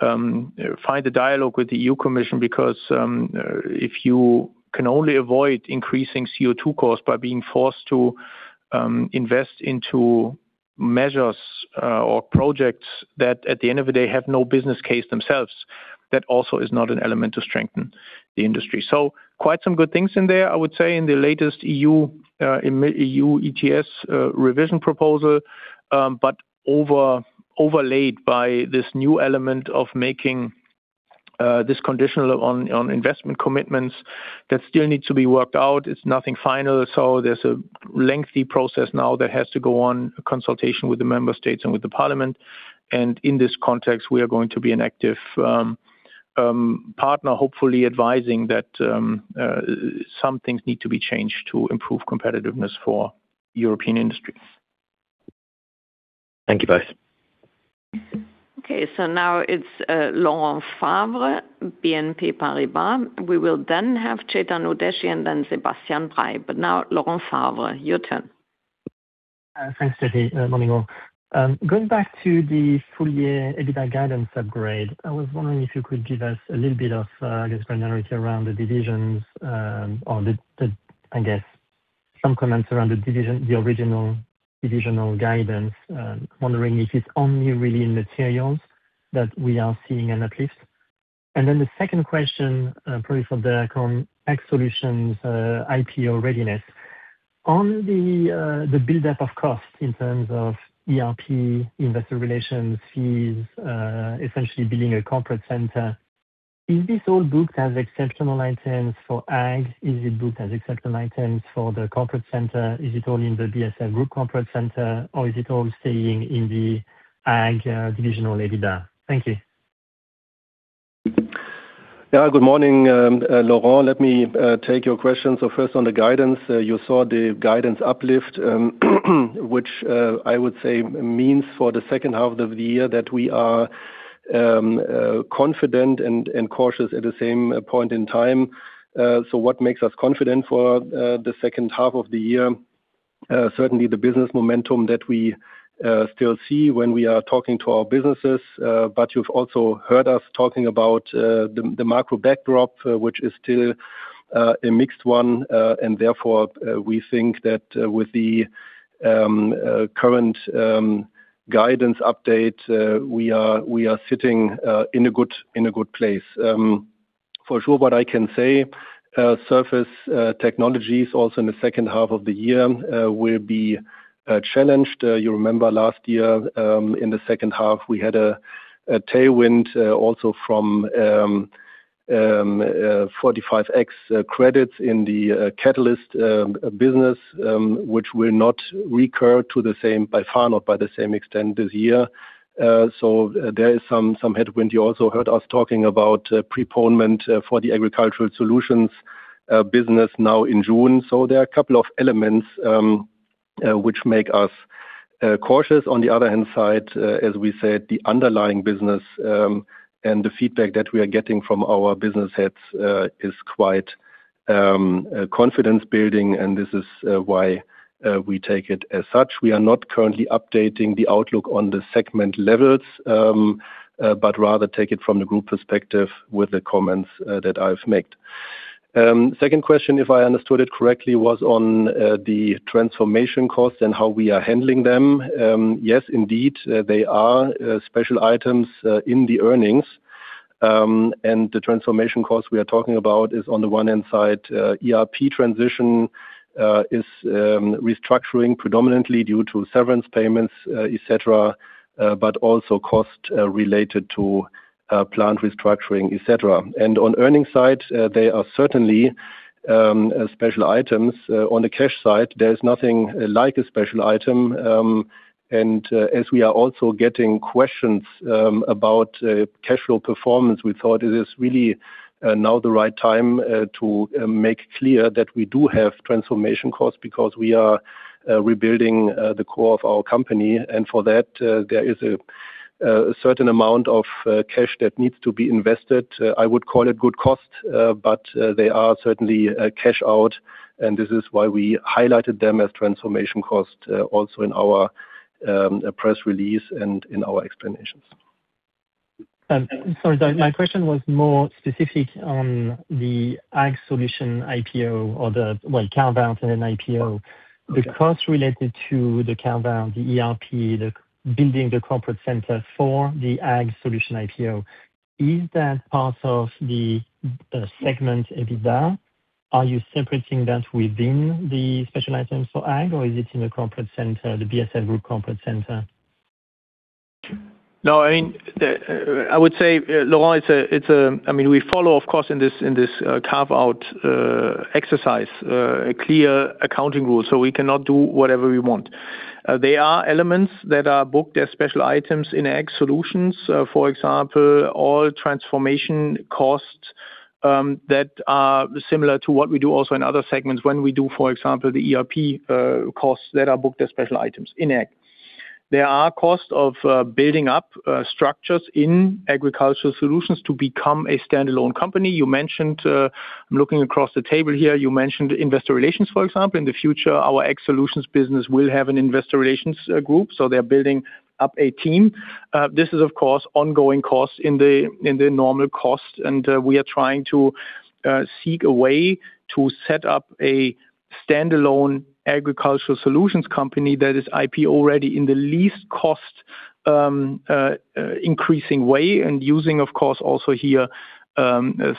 find a dialogue with the European Commission because, if you can only avoid increasing CO2 costs by being forced to invest into measures or projects that at the end of the day have no business case themselves, that also is not an element to strengthen the industry. Quite some good things in there, I would say, in the latest EU ETS revision proposal, but overlaid by this new element of making this conditional on investment commitments that still needs to be worked out. It's nothing final. There's a lengthy process now that has to go on consultation with the member states and with the parliament. In this context, we are going to be an active partner, hopefully advising that some things need to be changed to improve competitiveness for European industries. Thank you both. Now it's Laurent Favre, BNP Paribas. We will then have Chetan Udeshi and then Sebastian Bray. Laurent Favre, your turn. Thanks, Stefanie. Morning all. Going back to the full year EBITDA guidance upgrade, I was wondering if you could give us a little bit of, I guess, granularity around the divisions, or some comments around the original divisional guidance, wondering if it's only really in materials that we are seeing an uplift. The second question, probably for Dirk on Ag Solutions IPO readiness. On the build-up of costs in terms of ERP, investor relations fees, essentially building a corporate center, is this all booked as exceptional items for Ag? Is it booked as exceptional items for the corporate center? Is it all in the BASF group corporate center or is it all staying in the Ag divisional EBITDA? Thank you. Good morning, Laurent. Let me take your questions. First on the guidance. You saw the guidance uplift, which I would say means for the second half of the year that we are confident and cautious at the same point in time. What makes us confident for the second half of the year? Certainly the business momentum that we still see when we are talking to our businesses. You've also heard us talking about the macro backdrop, which is still a mixed one, and therefore, we think that with the current guidance update, we are sitting in a good place. For sure, what I can say, Surface Technologies also in the second half of the year will be challenged. You remember last year, in the second half, we had a tailwind also from 45X credits in the catalyst business, which will not recur by far, not by the same extent this year. There is some headwind. You also heard us talking about preponement for the Agricultural Solutions business now in June. There are a couple of elements which make us cautious. On the other hand side, as we said, the underlying business, and the feedback that we are getting from our business heads, is quite confidence building and this is why we take it as such. We are not currently updating the outlook on the segment levels, but rather take it from the group perspective with the comments that I've made. Second question, if I understood it correctly, was on the transformation costs and how we are handling them. Yes, indeed, they are special items in the earnings. The transformation cost we are talking about is on the one hand side, ERP transition is restructuring predominantly due to severance payments, et cetera, but also cost related to plant restructuring, et cetera. On the earning side, they are certainly special items. On the cash side, there's nothing like a special item. As we are also getting questions about cash flow performance, we thought it is really now the right time to make clear that we do have transformation costs because we are rebuilding the core of our company, and for that, there is a certain amount of cash that needs to be invested. I would call it good cost, but they are certainly a cash out, and this is why we highlighted them as transformation cost, also in our press release and in our explanations. Sorry, my question was more specific on the Agricultural Solutions IPO or the carve-out and an IPO. The cost related to the carve-out, the ERP, the building the corporate center for the Agricultural Solutions IPO, is that part of the segment EBITDA? Are you separating that within the special items for Agricultural Solutions, or is it in the corporate center, the BASF group corporate center? I would say, Laurent, we follow, of course, in this carve-out exercise, clear accounting rules, so we cannot do whatever we want. There are elements that are booked as special items in Ag Solutions. For example, all transformation costs that are similar to what we do also in other segments when we do, for example, the ERP costs that are booked as special items in Ag. There are costs of building up structures in Agricultural Solutions to become a standalone company. I'm looking across the table here, you mentioned investor relations, for example. In the future, our Ag Solutions business will have an investor relations group, so they're building up a team. This is, of course, ongoing costs in the normal cost. We are trying to seek a way to set up a standalone Agricultural Solutions company that is IPO ready in the least cost increasing way, using, of course, also here,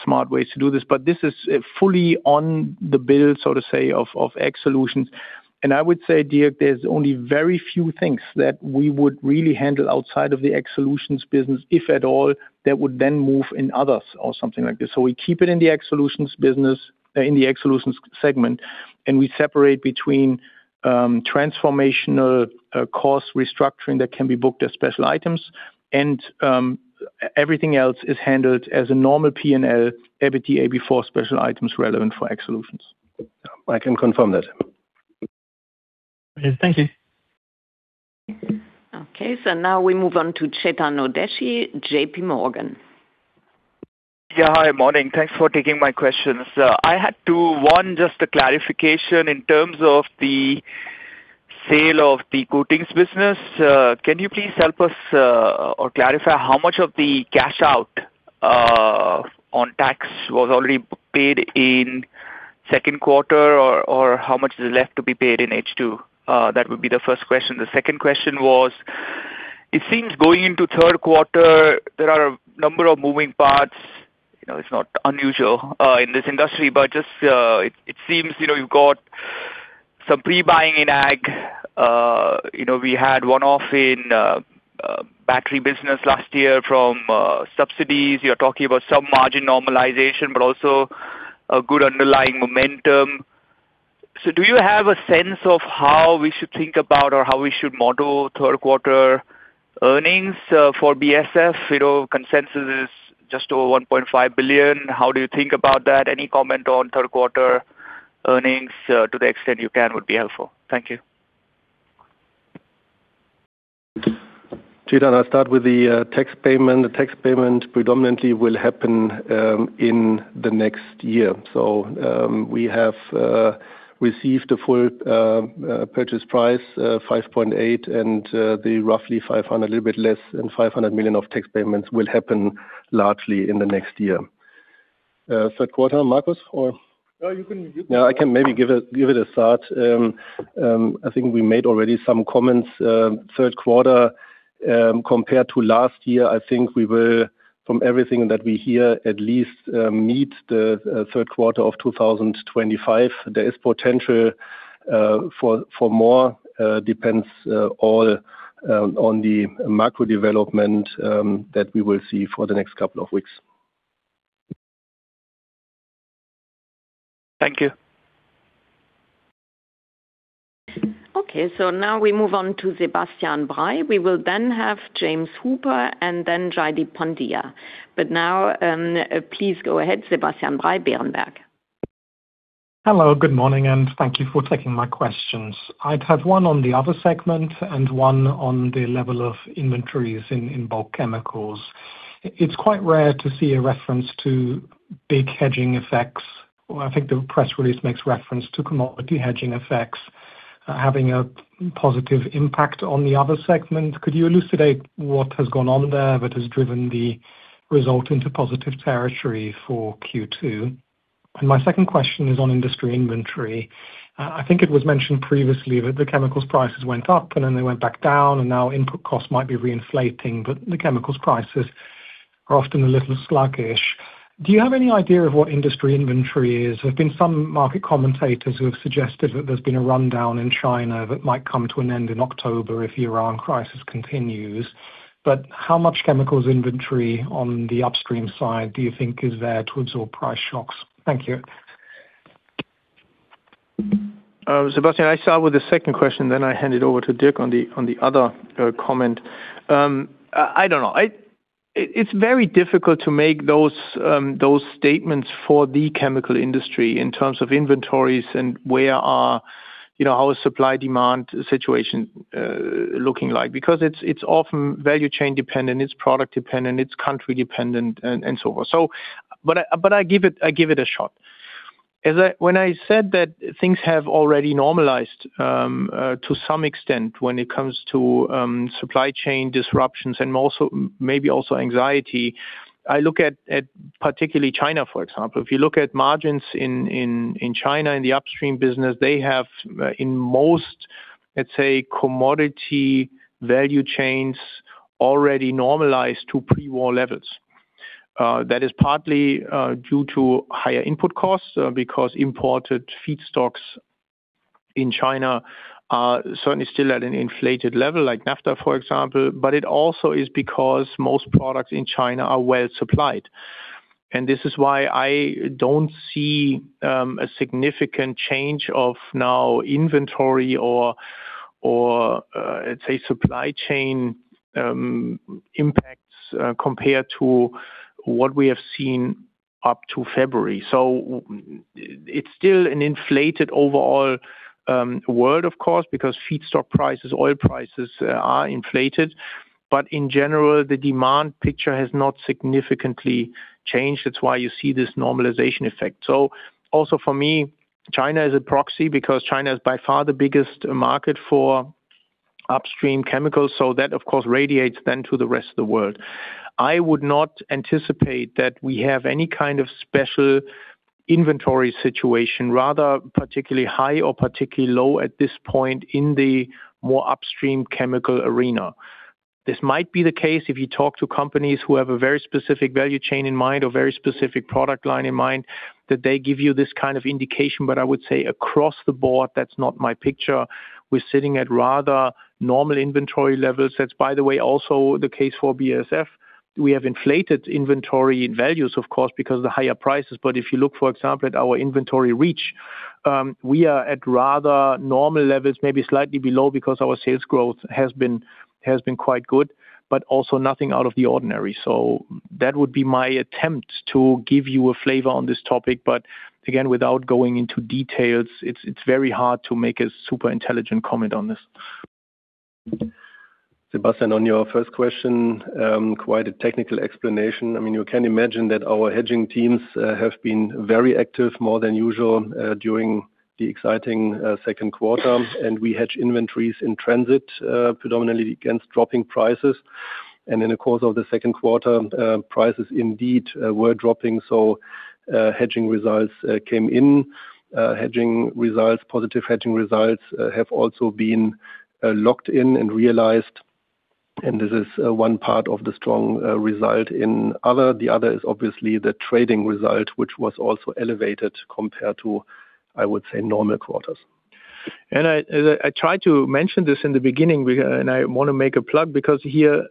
smart ways to do this. This is fully on the bill, so to say, of Ag Solutions. I would say, Dirk, there's only very few things that we would really handle outside of the Ag Solutions business, if at all, that would then move in others or something like this. We keep it in the Ag Solutions segment, we separate between transformational cost restructuring that can be booked as special items, and everything else is handled as a normal P&L, EBITDA before special items relevant for Ag Solutions. I can confirm that. Thank you. Now we move on to Chetan Udeshi, JPMorgan. Yeah. Hi. Morning. Thanks for taking my questions. I had two, one, just a clarification in terms of the sale of the Coatings business, can you please help us or clarify how much of the cash out on tax was already paid in second quarter, or how much is left to be paid in H2? That would be the first question. The second question was, it seems going into third quarter, there are a number of moving parts. It's not unusual in this industry, but just, it seems you've got some pre-buying in Ag. We had one-off in Battery business last year from subsidies. You're talking about some margin normalization, but also a good underlying momentum. Do you have a sense of how we should think about or how we should model third quarter earnings for BASF? Consensus is just over 1.5 billion. How do you think about that? Any comment on third quarter earnings to the extent you can would be helpful. Thank you. Chetan, I'll start with the tax payment. The tax payment predominantly will happen in the next year. We have received the full purchase price, 5.8 billion, and the roughly 500 million, a little bit less than 500 million of tax payments will happen largely in the next year. Third quarter, Markus, or? No, you can. I can maybe give it a start. I think we made already some comments. Third quarter, compared to last year, I think we will, from everything that we hear, at least meet the third quarter of 2025. There is potential for more, depends all on the macro development that we will see for the next couple of weeks. Thank you. Now we move on to Sebastian Bray. We will have James Hooper and Jaideep Pandya. Now, please go ahead, Sebastian Bray, Berenberg. Hello, good morning, thank you for taking my questions. I'd have one on the other segment and one on the level of inventories in bulk chemicals. It's quite rare to see a reference to big hedging effects. I think the press release makes reference to commodity hedging effects having a positive impact on the other segment. Could you elucidate what has gone on there that has driven the result into positive territory for Q2? My second question is on industry inventory. I think it was mentioned previously that the chemicals prices went up, then they went back down, now input costs might be re-inflating, the chemicals prices are often a little sluggish. Do you have any idea of what industry inventory is? There's been some market commentators who have suggested that there's been a rundown in China that might come to an end in October if the Iran crisis continues, but how much chemicals inventory on the upstream side do you think is there to absorb price shocks? Thank you. Sebastian, I start with the second question, then I hand it over to Dirk on the other comment. I don't know. It's very difficult to make those statements for the chemical industry in terms of inventories and how a supply-demand situation looking like, because it's often value chain dependent, it's product dependent, it's country dependent, and so forth. I give it a shot. When I said that things have already normalized to some extent when it comes to supply chain disruptions and maybe also anxiety, I look at particularly China, for example. If you look at margins in China, in the upstream business, they have, in most, let's say, commodity value chains already normalized to pre-war levels. That is partly due to higher input costs, because imported feedstocks in China are certainly still at an inflated level, like naphtha, for example, but it also is because most products in China are well supplied. This is why I don't see a significant change of now inventory or, let's say, supply chain impacts compared to what we have seen up to February. It's still an inflated overall world, of course, because feedstock prices, oil prices are inflated. In general, the demand picture has not significantly changed. That's why you see this normalization effect. Also for me, China is a proxy because China is by far the biggest market for upstream chemicals, so that, of course, radiates then to the rest of the world. I would not anticipate that we have any kind of special inventory situation, rather particularly high or particularly low at this point in the more upstream chemical arena. This might be the case if you talk to companies who have a very specific value chain in mind or very specific product line in mind, that they give you this kind of indication. I would say across the board, that's not my picture. We're sitting at rather normal inventory levels. That's, by the way, also the case for BASF. We have inflated inventory in values, of course, because of the higher prices. If you look, for example, at our inventory reach, we are at rather normal levels, maybe slightly below because our sales growth has been quite good, but also nothing out of the ordinary. That would be my attempt to give you a flavor on this topic. Without going into details, it's very hard to make a super intelligent comment on this. Sebastian, on your first question, quite a technical explanation. You can imagine that our hedging teams have been very active, more than usual, during the exciting second quarter, we hedge inventories in transit predominantly against dropping prices. In the course of the second quarter, prices indeed were dropping, so hedging results came in. Positive hedging results have also been locked in and realized, this is one part of the strong result in other. The other is obviously the trading result, which was also elevated compared to, I would say, normal quarters. I tried to mention this in the beginning, I want to make a plug because here,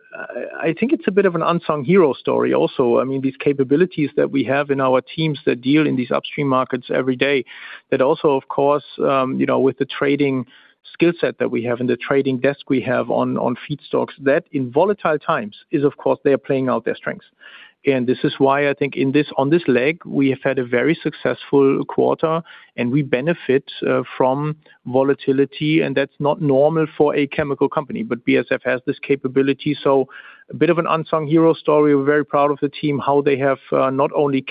I think it's a bit of an unsung hero story also. I mean, these capabilities that we have in our teams that deal in these upstream markets every day, that also, of course, with the trading skill set that we have and the trading desk we have on feedstocks, that in volatile times is, of course, they are playing out their strengths. This is why I think on this leg, we have had a very successful quarter, we benefit from volatility, that's not normal for a chemical company, but BASF has this capability. A bit of an unsung hero story. We're very proud of the team, how they have not only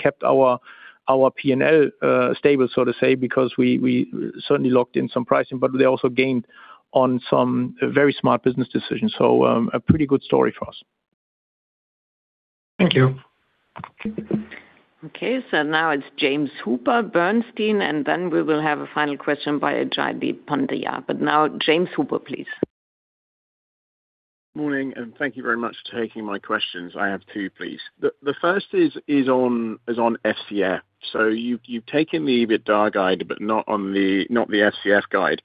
kept our P&L stable, so to say, because we certainly locked in some pricing, but they also gained on some very smart business decisions. A pretty good story for us. Thank you. Now it's James Hooper, Bernstein, then we will have a final question by Jaideep Pandya. Now James Hooper, please. Morning. Thank you very much for taking my questions. I have two, please. The first is on FCF. You've taken the EBITDA guide, but not the FCF guide.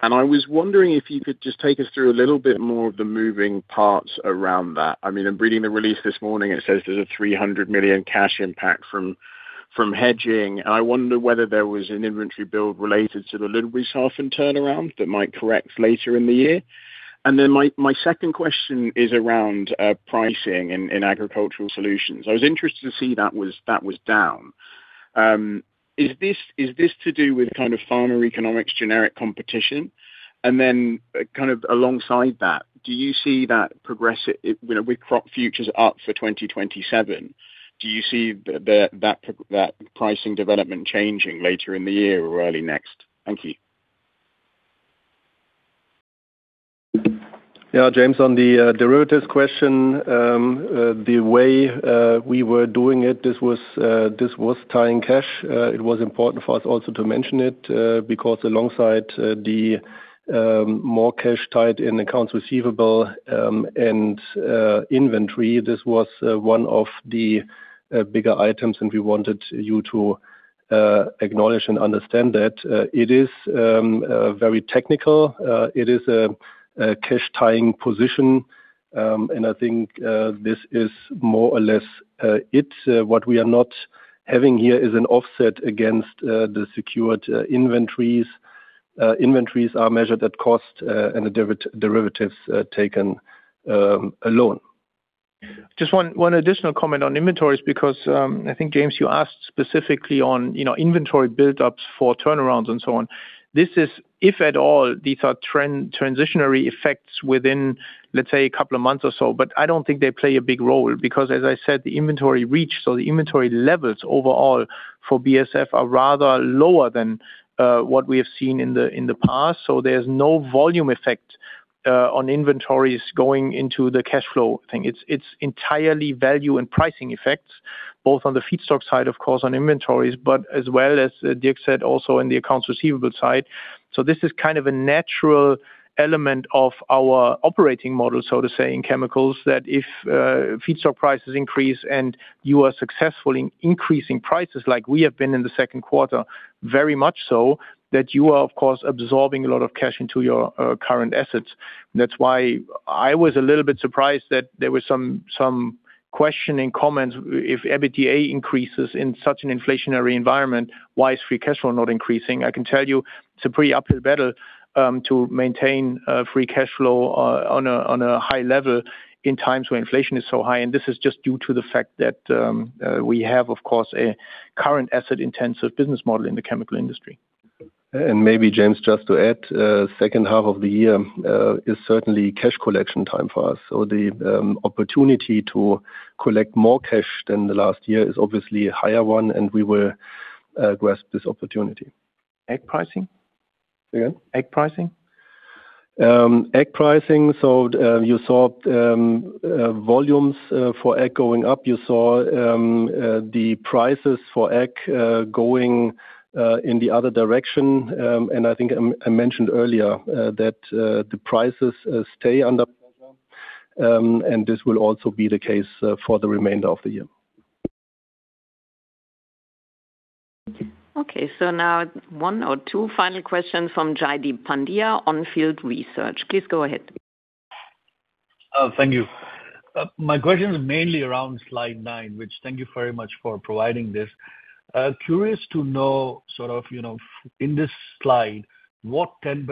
I was wondering if you could just take us through a little bit more of the moving parts around that. I mean, in reading the release this morning, it says there's a 300 million cash impact from hedging, and I wonder whether there was an inventory build related to the Ludwigshafen turnaround that might correct later in the year. My second question is around pricing in Agricultural Solutions. I was interested to see that was down. Is this to do with kind of farmer economics, generic competition? Alongside that, with crop futures up for 2027, do you see that pricing development changing later in the year or early next? Thank you. Yeah, James, on the derivatives question, the way we were doing it, this was tying cash. It was important for us also to mention it, because alongside the more cash tied in accounts receivable and inventory, this was one of the bigger items. We wanted you to acknowledge and understand that it is very technical. It is a cash-tying position. I think this is more or less it. What we are not having here is an offset against the secured inventories. Inventories are measured at cost, the derivatives taken alone. Just one additional comment on inventories, because I think, James, you asked specifically on inventory buildups for turnarounds and so on. This is, if at all, these are transitionary effects within, let's say, a couple of months or so. I don't think they play a big role because as I said, the inventory reach or the inventory levels overall for BASF are rather lower than what we have seen in the past. There's no volume effect on inventories going into the cash flow thing. It's entirely value and pricing effects, both on the feedstock side, of course, on inventories, but as well as Dirk said, also in the accounts receivable side. This is kind of a natural element of our operating model, so to say, in chemicals, that if feedstock prices increase and you are successful in increasing prices like we have been in the second quarter, very much so, that you are of course absorbing a lot of cash into your current assets. That's why I was a little bit surprised that there were some questioning comments, if EBITDA increases in such an inflationary environment, why is free cash flow not increasing? I can tell you it's a pretty uphill battle to maintain free cash flow on a high level in times where inflation is so high. This is just due to the fact that we have, of course, a current asset-intensive business model in the chemical industry. Maybe, James, just to add, second half of the year is certainly cash collection time for us. The opportunity to collect more cash than the last year is obviously a higher one. We will grasp this opportunity. Ag pricing? Say again? Ag pricing? Ag pricing. You saw volumes for Ag going up. You saw the prices for Ag going in the other direction. I think I mentioned earlier that the prices stay under pressure, and this will also be the case for the remainder of the year. Okay, now one or two final questions from Jaideep Pandya on On Field Research. Please go ahead. Thank you. My question is mainly around slide nine, which thank you very much for providing this. Curious to know, in this slide, what 10%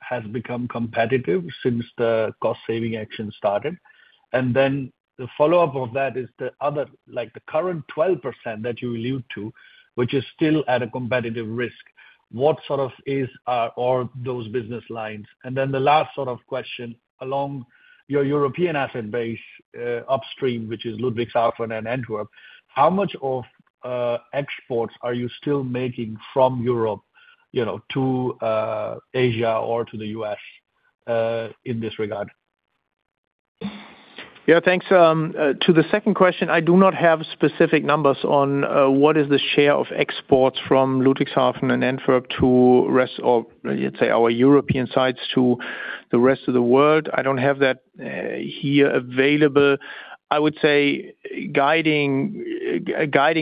has become competitive since the cost-saving action started? The follow-up of that is the other, like the current 12% that you allude to, which is still at a competitive risk. What are all those business lines? The last question along your European asset base, upstream, which is Ludwigshafen and Antwerp, how much of exports are you still making from Europe to Asia or to the U.S. in this regard? Yeah, thanks. To the second question, I do not have specific numbers on what is the share of exports from Ludwigshafen and Antwerp to, let's say, our European sites to the rest of the world. I don't have that here available. I would say a guiding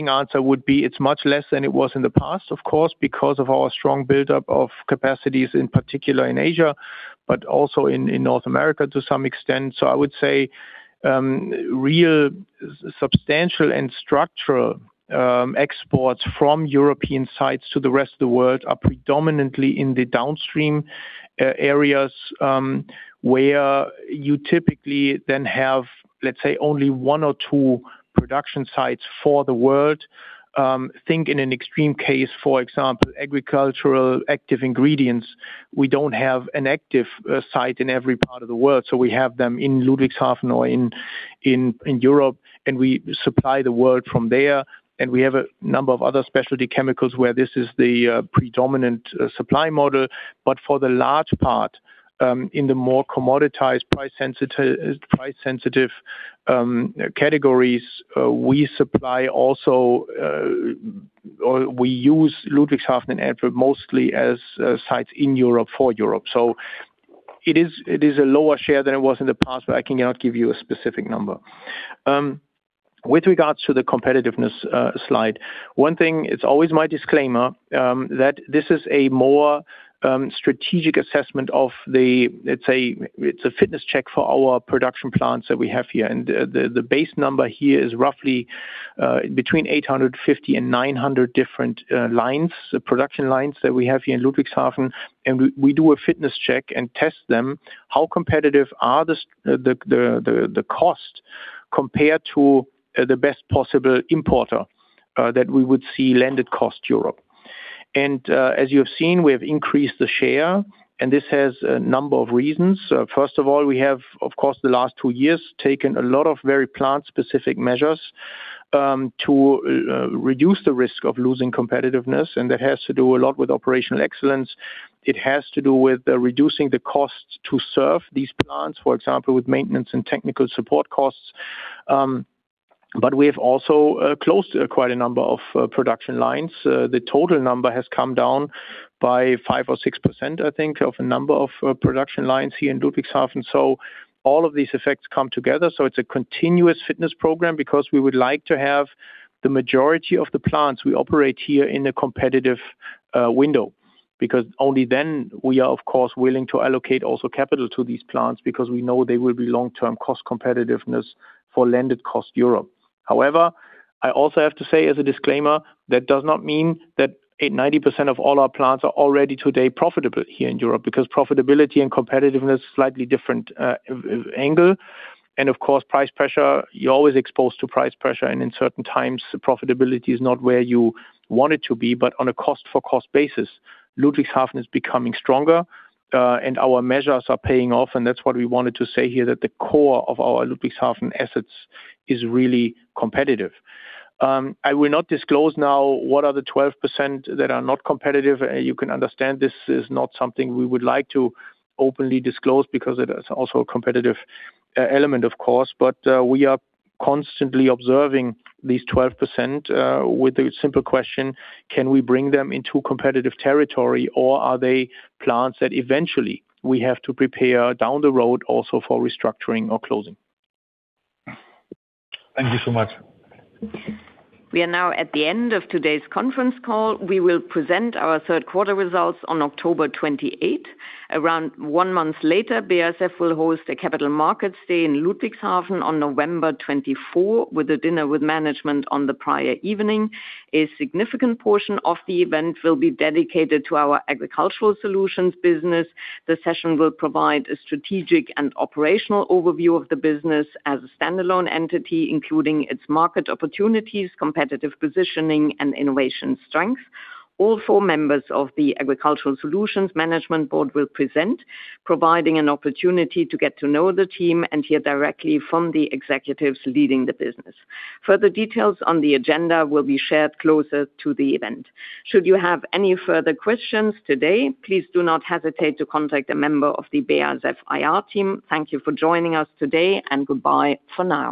answer would be, it's much less than it was in the past, of course, because of our strong buildup of capacities, in particular in Asia, but also in North America to some extent. I would say real substantial and structural exports from European sites to the rest of the world are predominantly in the downstream areas, where you typically then have, let's say, only one or two production sites for the world. Think in an extreme case, for example, agricultural active ingredients. We don't have an active site in every part of the world. We have them in Ludwigshafen or in Europe, and we supply the world from there. We have a number of other specialty chemicals where this is the predominant supply model. For the large part, in the more commoditized price-sensitive categories, we use Ludwigshafen and Antwerp mostly as sites in Europe for Europe. It is a lower share than it was in the past, but I cannot give you a specific number. With regards to the competitiveness slide, one thing, it's always my disclaimer that this is a more strategic assessment of the, let's say, it's a fitness check for our production plants that we have here. The base number here is roughly between 850 and 900 different production lines that we have here in Ludwigshafen, and we do a fitness check and test them how competitive are the cost compared to the best possible importer that we would see landed cost Europe. As you have seen, we have increased the share, and this has a number of reasons. First of all, we have, of course, the last two years, taken a lot of very plant-specific measures to reduce the risk of losing competitiveness, and that has to do a lot with operational excellence. It has to do with reducing the costs to serve these plants, for example, with maintenance and technical support costs. We have also closed quite a number of production lines. The total number has come down by 5% or 6%, I think, of the number of production lines here in Ludwigshafen. All of these effects come together. It's a continuous fitness program because we would like to have the majority of the plants we operate here in a competitive window. Only then we are, of course, willing to allocate also capital to these plants because we know they will be long-term cost competitiveness for landed cost Europe. However, I also have to say as a disclaimer, that does not mean that 90% of all our plants are already today profitable here in Europe, because profitability and competitiveness are slightly different angle. Of course, price pressure, you're always exposed to price pressure, and in certain times, profitability is not where you want it to be. On a cost for cost basis, Ludwigshafen is becoming stronger, and our measures are paying off, and that's what we wanted to say here, that the core of our Ludwigshafen assets is really competitive. I will not disclose now what are the 12% that are not competitive. You can understand this is not something we would like to openly disclose because it is also a competitive element, of course. We are constantly observing these 12% with a simple question: Can we bring them into competitive territory or are they plants that eventually we have to prepare down the road also for restructuring or closing? Thank you so much. We are now at the end of today's conference call. We will present our third quarter results on October 28th. Around one month later, BASF will host a Capital Markets Day in Ludwigshafen on November 24, with a dinner with management on the prior evening. A significant portion of the event will be dedicated to our Agricultural Solutions business. The session will provide a strategic and operational overview of the business as a standalone entity, including its market opportunities, competitive positioning, and innovation strength. All four members of the Agricultural Solutions Management Board will present, providing an opportunity to get to know the team and hear directly from the executives leading the business. Further details on the agenda will be shared closer to the event. Should you have any further questions today, please do not hesitate to contact a member of the BASF IR team. Thank you for joining us today, and goodbye for now.